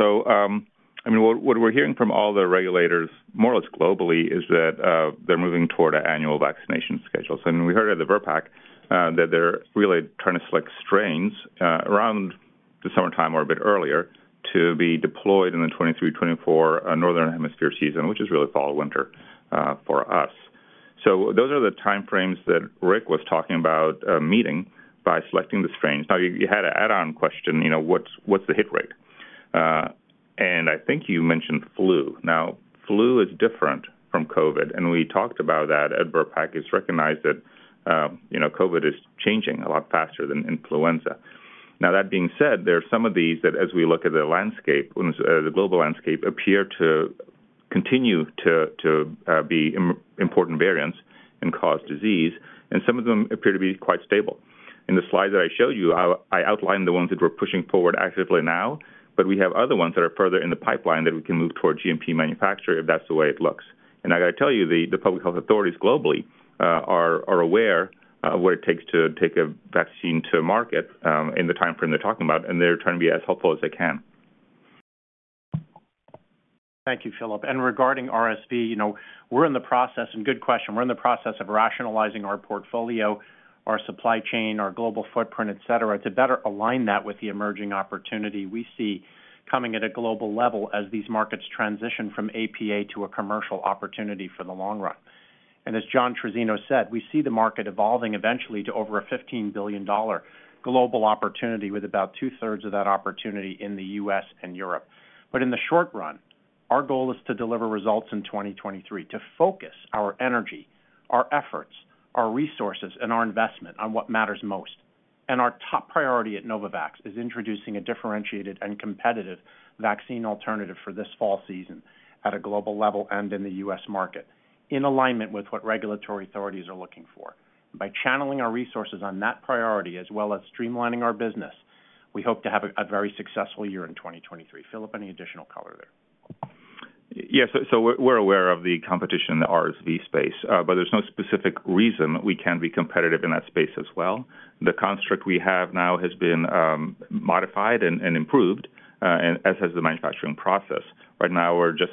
E: I mean, what we're hearing from all the regulators more or less globally is that they're moving toward an annual vaccination schedule. We heard at the VRBPAC that they're really trying to select strains around the summertime or a bit earlier to be deployed in the 2023, 2024 Northern Hemisphere season, which is really fall, winter for us. Those are the time frames that Rick was talking about meeting by selecting the strains. You had a add-on question, you know, what's the hit rate? I think you mentioned flu. Flu is different from COVID, and we talked about that at VRBPAC. It's recognized that, you know, COVID is changing a lot faster than influenza. That being said, there are some of these that, as we look at the landscape, when it's the global landscape, appear to continue to be important variants and cause disease, and some of them appear to be quite stable. In the slide that I showed you, I outlined the ones that we're pushing forward actively now, but we have other ones that are further in the pipeline that we can move toward GMP manufacturer if that's the way it looks. I got to tell you, the public health authorities globally, are aware of what it takes to take a vaccine to market, in the time frame they're talking about, and they're trying to be as helpful as they can.
C: Thank you, Filip. Regarding RSV, you know, good question. We're in the process of rationalizing our portfolio, our supply chain, our global footprint, et cetera, to better align that with the emerging opportunity we see coming at a global level as these markets transition from APA to a commercial opportunity for the long run. As John Trizzino said, we see the market evolving eventually to over a $15 billion global opportunity with about two-thirds of that opportunity in the U.S. and Europe. In the short run, our goal is to deliver results in 2023, to focus our energy, our efforts, our resources, and our investment on what matters most. Our top priority at Novavax is introducing a differentiated and competitive vaccine alternative for this fall season at a global level and in the U.S. market, in alignment with what regulatory authorities are looking for. By channeling our resources on that priority as well as streamlining our business, we hope to have a very successful year in 2023. Filip, any additional color there?
E: Yes. We're aware of the competition in the RSV space, but there's no specific reason we can't be competitive in that space as well. The construct we have now has been modified and improved, and as has the manufacturing process. Right now we're just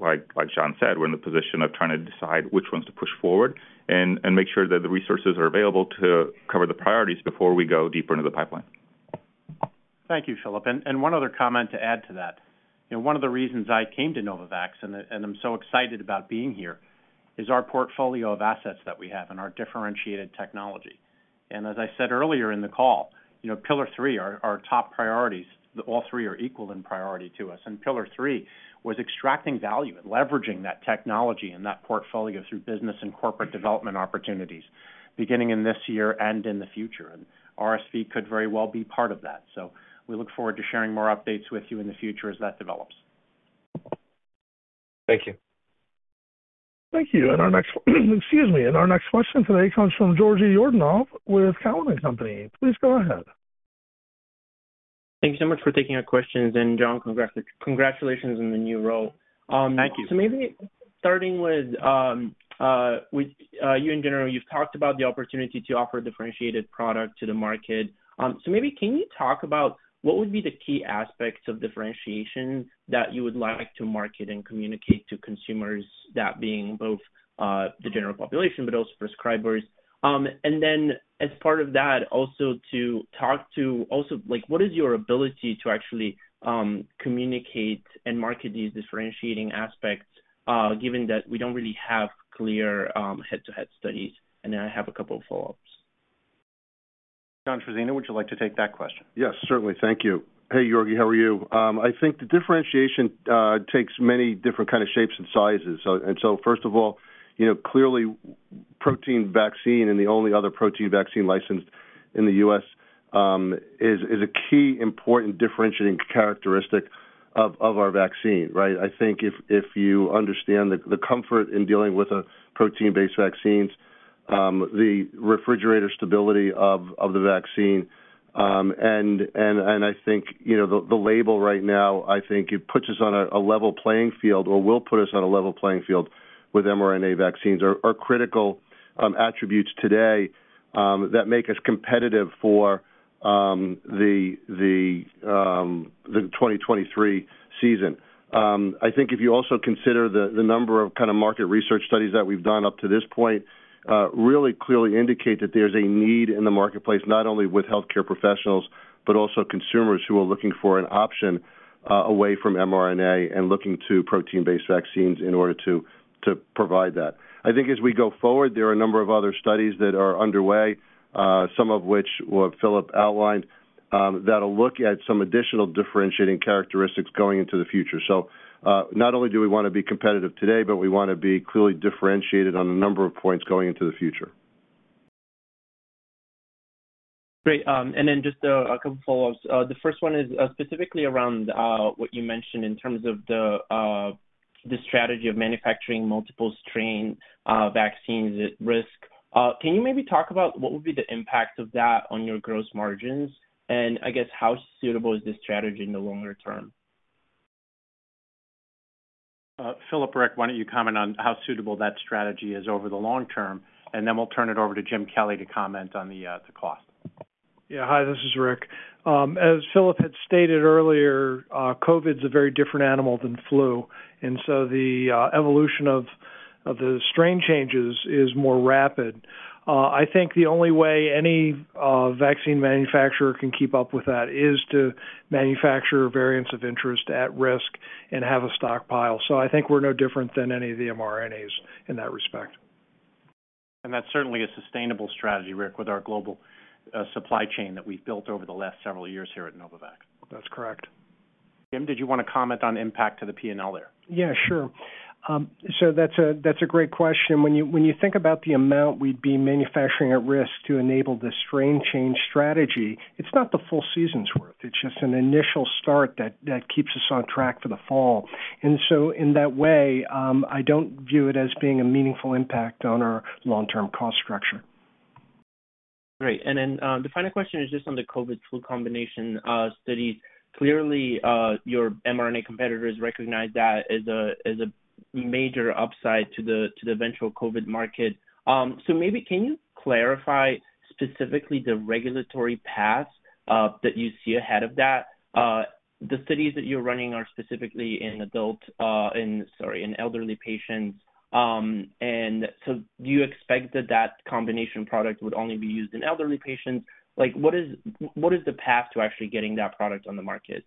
E: like John said, we're in the position of trying to decide which ones to push forward and make sure that the resources are available to cover the priorities before we go deeper into the pipeline.
C: Thank you, Filip. And one other comment to add to that. You know, one of the reasons I came to Novavax, and I'm so excited about being here, is our portfolio of assets that we have and our differentiated technology. As I said earlier in the call, you know, pillar three are our top priorities. All are equal in priority to us. Pillar three was extracting value and leveraging that technology and that portfolio through business and corporate development opportunities beginning in this year and in the future. RSV could very well be part of that. We look forward to sharing more updates with you in the future as that develops.
I: Thank you.
A: Thank you. Excuse me. Our next question today comes from Georgi Yordanov with Cowen and Company. Please go ahead.
J: Thank you so much for taking our questions. John, congratulations on the new role. Maybe starting with you in general. You've talked about the opportunity to offer differentiated product to the market. Maybe can you talk about what would be the key aspects of differentiation that you would like to market and communicate to consumers, that being both the general population, but also prescribers? Then as part of that, also to talk to, like, what is your ability to actually communicate and market these differentiating aspects, given that we don't really have clear head-to-head studies? Then I have a couple of follow-ups.
C: John Trizzino, would you like to take that question?
D: Yes, certainly. Thank you. Hey, Georgi, how are you? I think the differentiation takes many different kinda shapes and sizes. First of all, you know, clearly protein vaccine and the only other protein vaccine licensed in the U.S. is a key important differentiating characteristic of our vaccine, right? I think if you understand the comfort in dealing with a protein-based vaccines, the refrigerator stability of the vaccine, and I think, you know, the label right now, I think it puts us on a level playing field or will put us on a level playing field with mRNA vaccines are critical attributes today that make us competitive for the 2023 season. I think if you also consider the number of kinda market research studies that we've done up to this point, really clearly indicate that there's a need in the marketplace, not only with healthcare professionals, but also consumers who are looking for an option away from mRNA and looking to protein-based vaccines in order to provide that. I think as we go forward, there are a number of other studies that are underway, some of which what Filip outlined, that'll look at some additional differentiating characteristics going into the future. Not only do we wanna be competitive today, but we wanna be clearly differentiated on a number of points going into the future.
J: Great. Just a couple follow-ups. The first one is specifically around what you mentioned in terms of the strategy of manufacturing multiple strain vaccines at risk. Can you maybe talk about what would be the impact of that on your gross margins? I guess how suitable is this strategy in the longer term?
C: Filip, Rick, why don't you comment on how suitable that strategy is over the long term, and then we'll turn it over to James Kelly to comment on the cost.
H: Yeah. Hi, this is Rick. As Filip had stated earlier, COVID-19's a very different animal than flu, the evolution of the strain changes is more rapid. I think the only way any vaccine manufacturer can keep up with that is to manufacture variants of interest at risk and have a stockpile. I think we're no different than any of the mRNAs in that respect.
C: That's certainly a sustainable strategy, Rick, with our global supply chain that we've built over the last several years here at Novavax.
H: That's correct.
C: Jim, did you wanna comment on impact to the P&L there?
F: Yeah, sure. That's a great question. When you think about the amount we'd be manufacturing at risk to enable the strain change strategy, it's not the full season's worth. It's just an initial start that keeps us on track for the fall. In that way, I don't view it as being a meaningful impact on our long-term cost structure.
J: Great. The final question is just on the COVID Flu combination studies. Clearly, your mRNA competitors recognize that as a major upside to the eventual COVID market. Can you clarify specifically the regulatory path that you see ahead of that? The studies that you're running are specifically in adult, in elderly patients. Do you expect that that combination product would only be used in elderly patients? What is the path to actually getting that product on the market?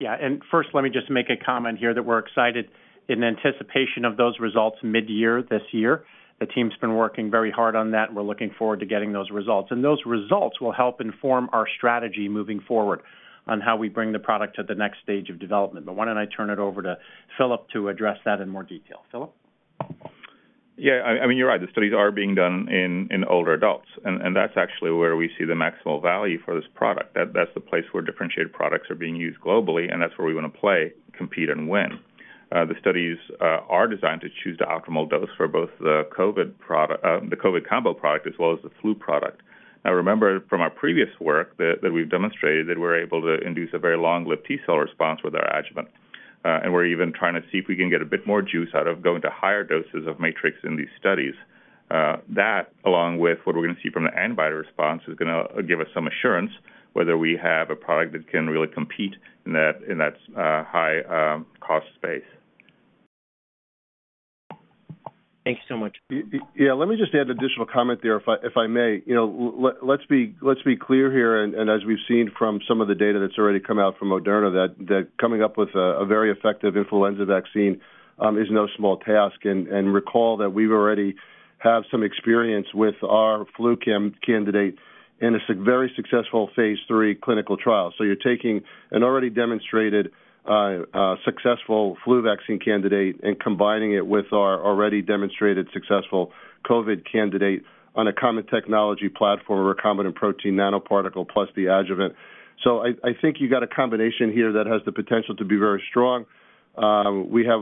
C: Yeah. First, let me just make a comment here that we're excited in anticipation of those results mid-year this year. The team's been working very hard on that. We're looking forward to getting those results. Those results will help inform our strategy moving forward on how we bring the product to the next stage of development. Why don't I turn it over to Filip to address that in more detail? Filip?
E: I mean, you're right. The studies are being done in older adults, and that's actually where we see the maximal value for this product. That's the place where differentiated products are being used globally, and that's where we wanna play, compete, and win. The studies are designed to choose the optimal dose for both the COVID combo product as well as the flu product. Now remember from our previous work that we've demonstrated that we're able to induce a very long-lived T-cell response with our adjuvant. We're even trying to see if we can get a bit more juice out of going to higher doses of Matrix-M in these studies. That along with what we're gonna see from the antibody response is gonna give us some assurance whether we have a product that can really compete in that high cost space.
J: Thanks so much.
D: Yeah. Let me just add additional comment there if I may. You know, let's be clear here, and as we've seen from some of the data that's already come out from Moderna, that coming up with a very effective influenza vaccine is no small task. Recall that we've already have some experience with our flu candidate in a very successful phase III clinical trial. You're taking an already demonstrated successful flu vaccine candidate and combining it with our already demonstrated successful COVID candidate on a common technology platform, recombinant protein nanoparticle plus the adjuvant. I think you got a combination here that has the potential to be very strong. We have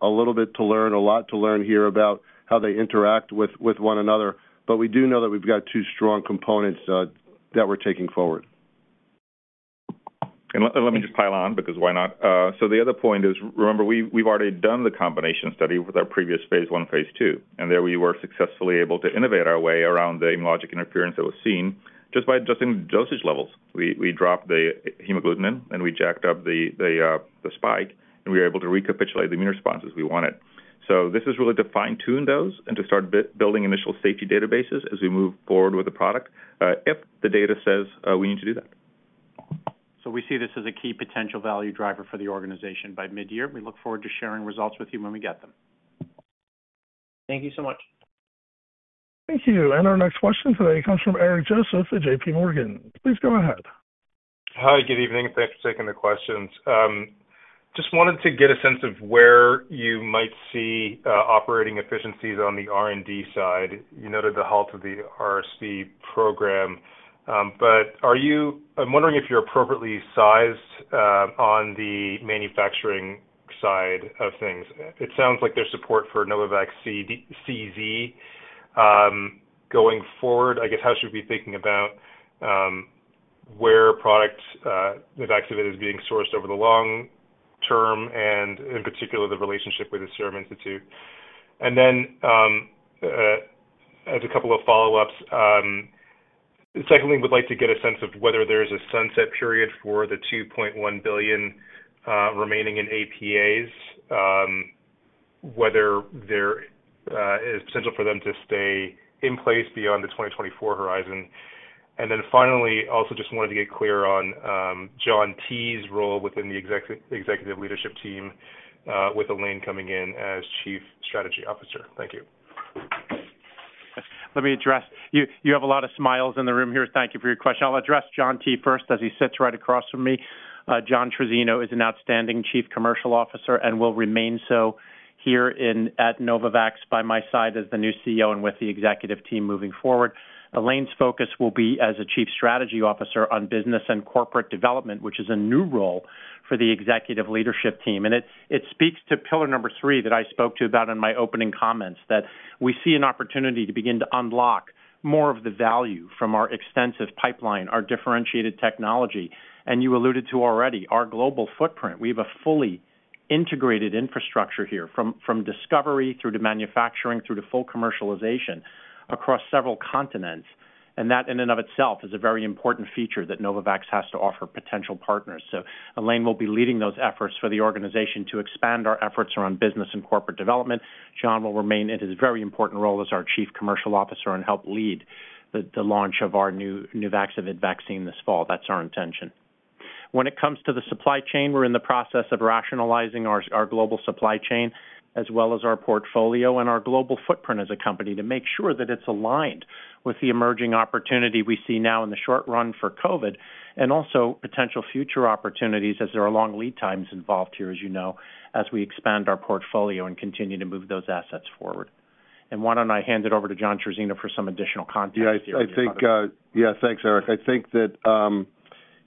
D: a little bit to learn, a lot to learn here about how they interact with one another, but we do know that we've got two strong components, that we're taking forward.
H: Let me just pile on, because why not? The other point is, remember we've already done the combination study with our previous phase I, phase II, and there we were successfully able to innovate our way around the immunologic interference that was seen just by adjusting dosage levels. We dropped the hemagglutinin, and we jacked up the spike, and we were able to recapitulate the immune responses we wanted. This is really to fine-tune those and to start building initial safety databases as we move forward with the product, if the data says we need to do that.
C: We see this as a key potential value driver for the organization by midyear. We look forward to sharing results with you when we get them.
K: Thank you so much.
A: Thank you. Our next question today comes from Eric Joseph at JPMorgan. Please go ahead.
L: Hi, good evening, thanks for taking the questions. Just wanted to get a sense of where you might see operating efficiencies on the R&D side. You noted the halt of the RSV program. I'm wondering if you're appropriately sized on the manufacturing side of things. It sounds like there's support for Novavax CZ going forward. I guess how should we be thinking about where product Nuvaxovid is being sourced over the long term and in particular the relationship with the Serum Institute? As a couple of follow-ups, secondly, would like to get a sense of whether there's a sunset period for the $2.1 billion remaining in APAs, whether there is potential for them to stay in place beyond the 2024 horizon. Finally, also just wanted to get clear on, John T.'s role within the executive leadership team, with Elaine coming in as chief strategy officer. Thank you.
C: Let me address. You have a lot of smiles in the room here. Thank you for your question. I'll address John T. first as he sits right across from me. John Trizzino is an outstanding Chief Commercial Officer and will remain so here at Novavax by my side as the new CEO and with the executive team moving forward. Elaine's focus will be as a Chief Strategy Officer on business and corporate development, which is a new role for the executive leadership team. It speaks to pillar number three that I spoke to about in my opening comments, that we see an opportunity to begin to unlock more of the value from our extensive pipeline, our differentiated technology. You alluded to already our global footprint. We have a fully integrated infrastructure here from discovery through to manufacturing through to full commercialization across several continents. That in and of itself is a very important feature that Novavax has to offer potential partners. Elaine will be leading those efforts for the organization to expand our efforts around business and corporate development. John will remain in his very important role as our chief commercial officer and help lead the launch of our new Nuvaxovid vaccine this fall. That's our intention. When it comes to the supply chain, we're in the process of rationalizing our global supply chain as well as our portfolio and our global footprint as a company to make sure that it's aligned with the emerging opportunity we see now in the short run for COVID, also potential future opportunities as there are long lead times involved here, as you know, as we expand our portfolio and continue to move those assets forward. Why don't I hand it over to John Trizzino for some additional context here on some other-
D: I think, thanks, Eric. I think that,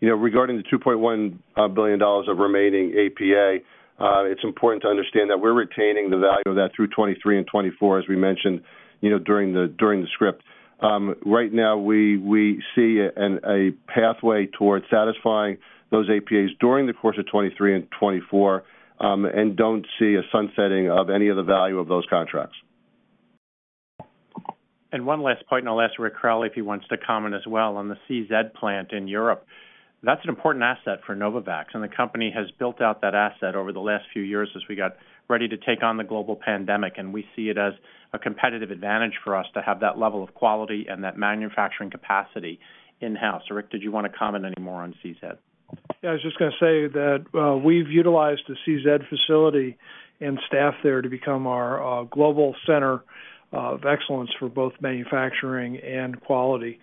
D: regarding the $2.1 billion of remaining APA, it's important to understand that we're retaining the value of that through 2023 and 2024, as we mentioned during the script. Right now we see a pathway towards satisfying those APAs during the course of 2023 and 2024, Don't see a sunsetting of any of the value of those contracts.
C: One last point, and I'll ask Rick Crowley if he wants to comment as well on the CZ plant in Europe. That's an important asset for Novavax, and the company has built out that asset over the last few years as we got ready to take on the global pandemic. We see it as a competitive advantage for us to have that level of quality and that manufacturing capacity in-house. Rick, did you want to comment any more on CZ?
H: Yeah, I was just gonna say that we've utilized the CZ facility and staff there to become our global center of excellence for both manufacturing and quality.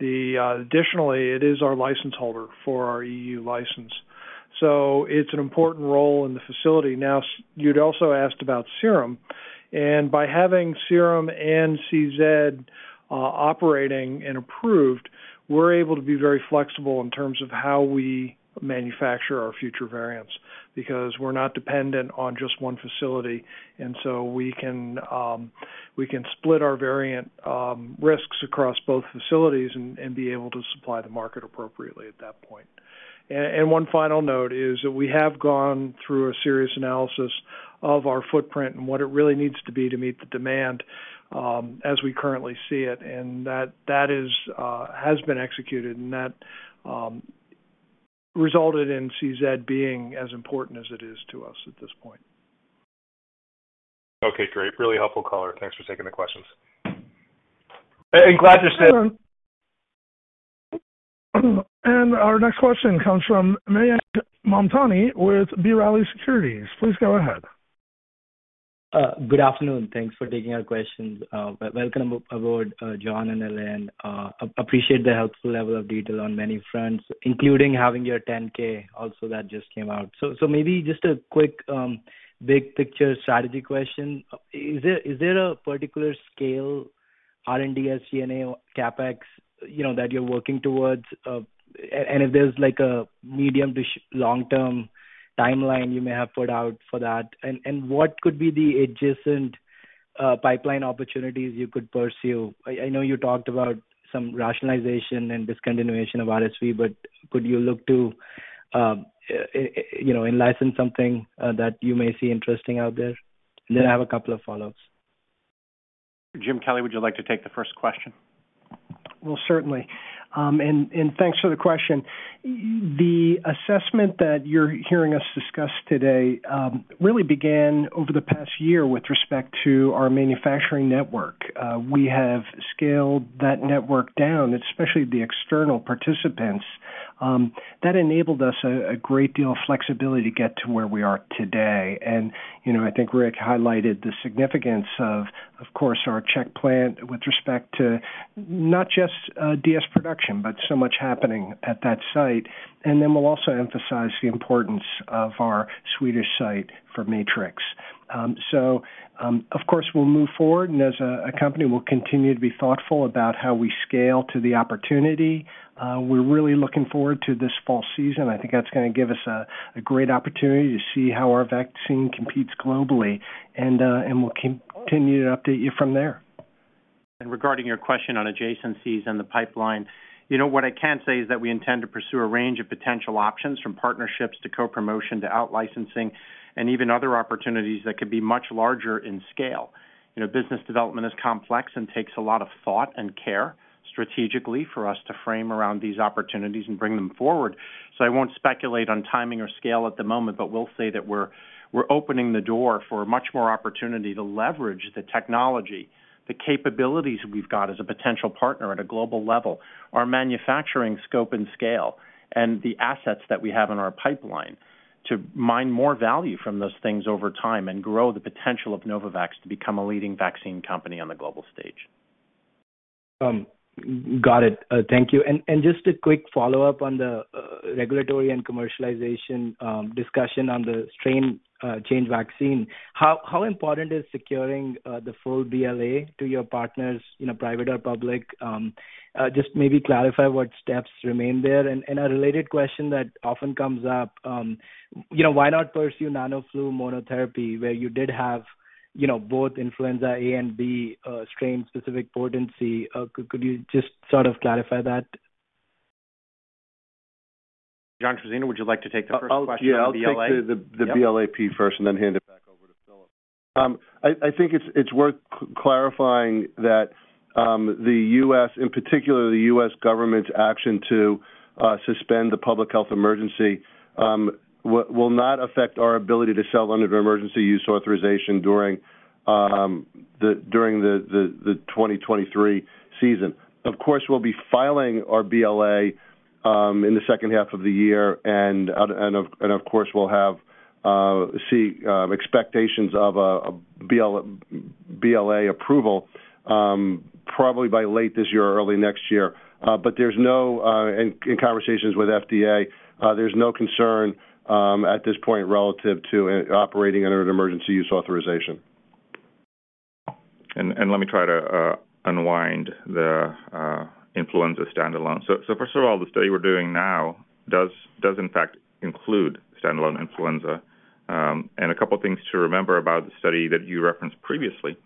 H: Additionally, it is our license holder for our EU license. It's an important role in the facility. Now, you'd also asked about Serum. By having Serum and CZ operating and approved, we're able to be very flexible in terms of how we manufacture our future variants because we're not dependent on just one facility. We can split our variant risks across both facilities and be able to supply the market appropriately at that point. One final note is that we have gone through a serious analysis of our footprint and what it really needs to be to meet the demand as we currently see it. That has been executed and that resulted in CZ being as important as it is to us at this point.
L: Okay, great. Really helpful color. Thanks for taking the questions.
C: Glad you're.
A: Our next question comes from Mayank Mamtani with B. Riley Securities. Please go ahead.
K: Good afternoon. Thanks for taking our questions. Welcome aboard, John and Elaine. Appreciate the helpful level of detail on many fronts, including having your Form 10-K also that just came out. Maybe just a quick big picture strategy question. Is there a particular scale R&D SG&A CapEx, you know, that you're working towards? And if there's like a medium to long-term timeline you may have put out for that. What could be the adjacent pipeline opportunities you could pursue? I know you talked about some rationalization and discontinuation of RSV, but could you look to, you know, in-license something that you may see interesting out there? I have a couple of follow-ups.
C: James Kelly, would you like to take the first question?
F: Well, certainly. Thanks for the question. The assessment that you're hearing us discuss today, really began over the past year with respect to our manufacturing network. We have scaled that network down, especially the external participants. That enabled us a great deal of flexibility to get to where we are today. You know, I think Rick highlighted the significance of course, our Czech plant with respect to not just DS production, but so much happening at that site. Then we'll also emphasize the importance of our Swedish site for Matrix. Of course, we'll move forward, and as a company, we'll continue to be thoughtful about how we scale to the opportunity. We're really looking forward to this fall season. I think that's gonna give us a great opportunity to see how our vaccine competes globally, and we'll continue to update you from there.
C: Regarding your question on adjacencies and the pipeline, you know, what I can say is that we intend to pursue a range of potential options from partnerships to co-promotion to out-licensing and even other opportunities that could be much larger in scale. You know, business development is complex and takes a lot of thought and care strategically for us to frame around these opportunities and bring them forward. I won't speculate on timing or scale at the moment, but will say that we're opening the door for much more opportunity to leverage the technology, the capabilities we've got as a potential partner at a global level, our manufacturing scope and scale, and the assets that we have in our pipeline to mine more value from those things over time and grow the potential of Novavax to become a leading vaccine company on the global stage.
K: Got it. Thank you. Just a quick follow-up on the regulatory and commercialization discussion on the strain change vaccine. How important is securing the full BLA to your partners, you know, private or public? Just maybe clarify what steps remain there. A related question that often comes up, you know, why not pursue NanoFlu monotherapy where you did have, you know, both influenza A and B, strain-specific potency? Could you just sort of clarify that?
C: John Trizzino, would you like to take the first question on BLA?
D: Yeah, I'll take the BLA first and then hand it back over to Filip Dubovský. I think it's worth clarifying that the U.S., in particular, the U.S. Government's action to suspend the public health emergency will not affect our ability to sell under emergency use authorization during the 2023 season. Of course, we'll be filing our BLA in the second half of the year and of course we'll have expectations of a BLA approval probably by late this year or early next year. There's no in conversations with FDA, there's no concern at this point relative to operating under an emergency use authorization.
E: Let me try to unwind the influenza standalone. First of all, the study we're doing now does in fact include standalone influenza. A couple of things to remember about the study that you referenced previously.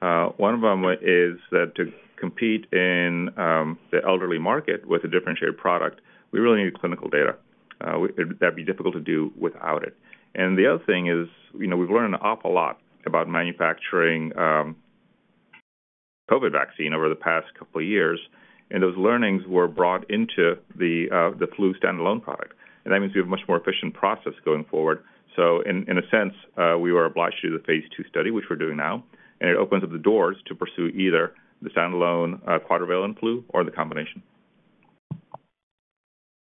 E: One of them is that to compete in the elderly market with a differentiated product, we really need clinical data. That'd be difficult to do without it. The other thing is, you know, we've learned an awful lot about manufacturing COVID-19 vaccine over the past couple of years, and those learnings were brought into the flu standalone product. That means we have a much more efficient process going forward. In a sense, we were obliged to do the phase II study, which we're doing now. It opens up the doors to pursue either the standalone, quadrivalent flu or the combination.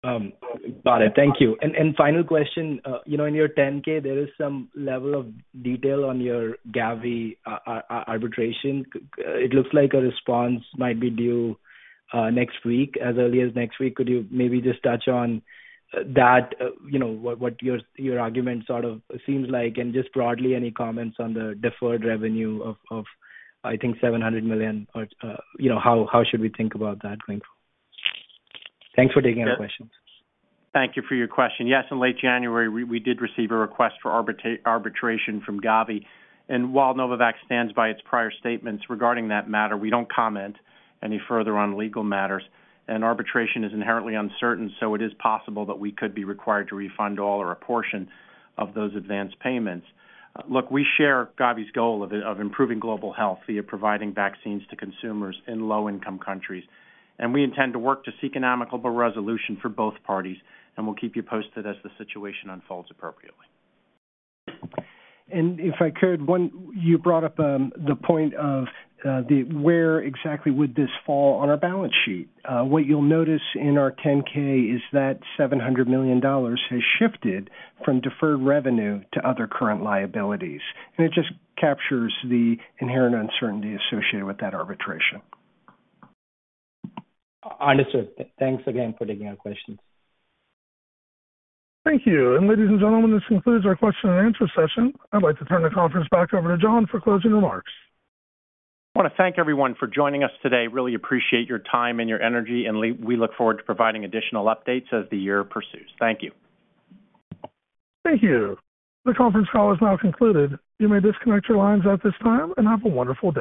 K: got it. Thank you. Final question, you know, in your Ten K, there is some level of detail on your Gavi arbitration. It looks like a response might be due next week, as early as next week. Could you maybe just touch on that, you know, what your argument sort of seems like? Just broadly, any comments on the deferred revenue of I think $700 million or, you know, how should we think about that going forward? Thanks for taking our questions.
C: Thank you for your question. Yes, in late January, we did receive a request for arbitration from Gavi. While Novavax stands by its prior statements regarding that matter, we don't comment any further on legal matters. Arbitration is inherently uncertain, so it is possible that we could be required to refund all or a portion of those advanced payments. Look, we share Gavi's goal of improving global health via providing vaccines to consumers in low-income countries, and we intend to work to seek an amicable resolution for both parties, and we'll keep you posted as the situation unfolds appropriately.
F: If I could, you brought up the point of where exactly would this fall on our balance sheet? What you'll notice in our Form 10-K is that $700 million has shifted from deferred revenue to other current liabilities. It just captures the inherent uncertainty associated with that arbitration.
K: Understood. Thanks again for taking our questions.
A: Thank you. Ladies and gentlemen, this concludes our question and answer session. I'd like to turn the conference back over to John for closing remarks.
C: I wanna thank everyone for joining us today. Really appreciate your time and your energy, and we look forward to providing additional updates as the year pursues. Thank you.
A: Thank you. The conference call is now concluded. You may disconnect your lines at this time and have a wonderful day.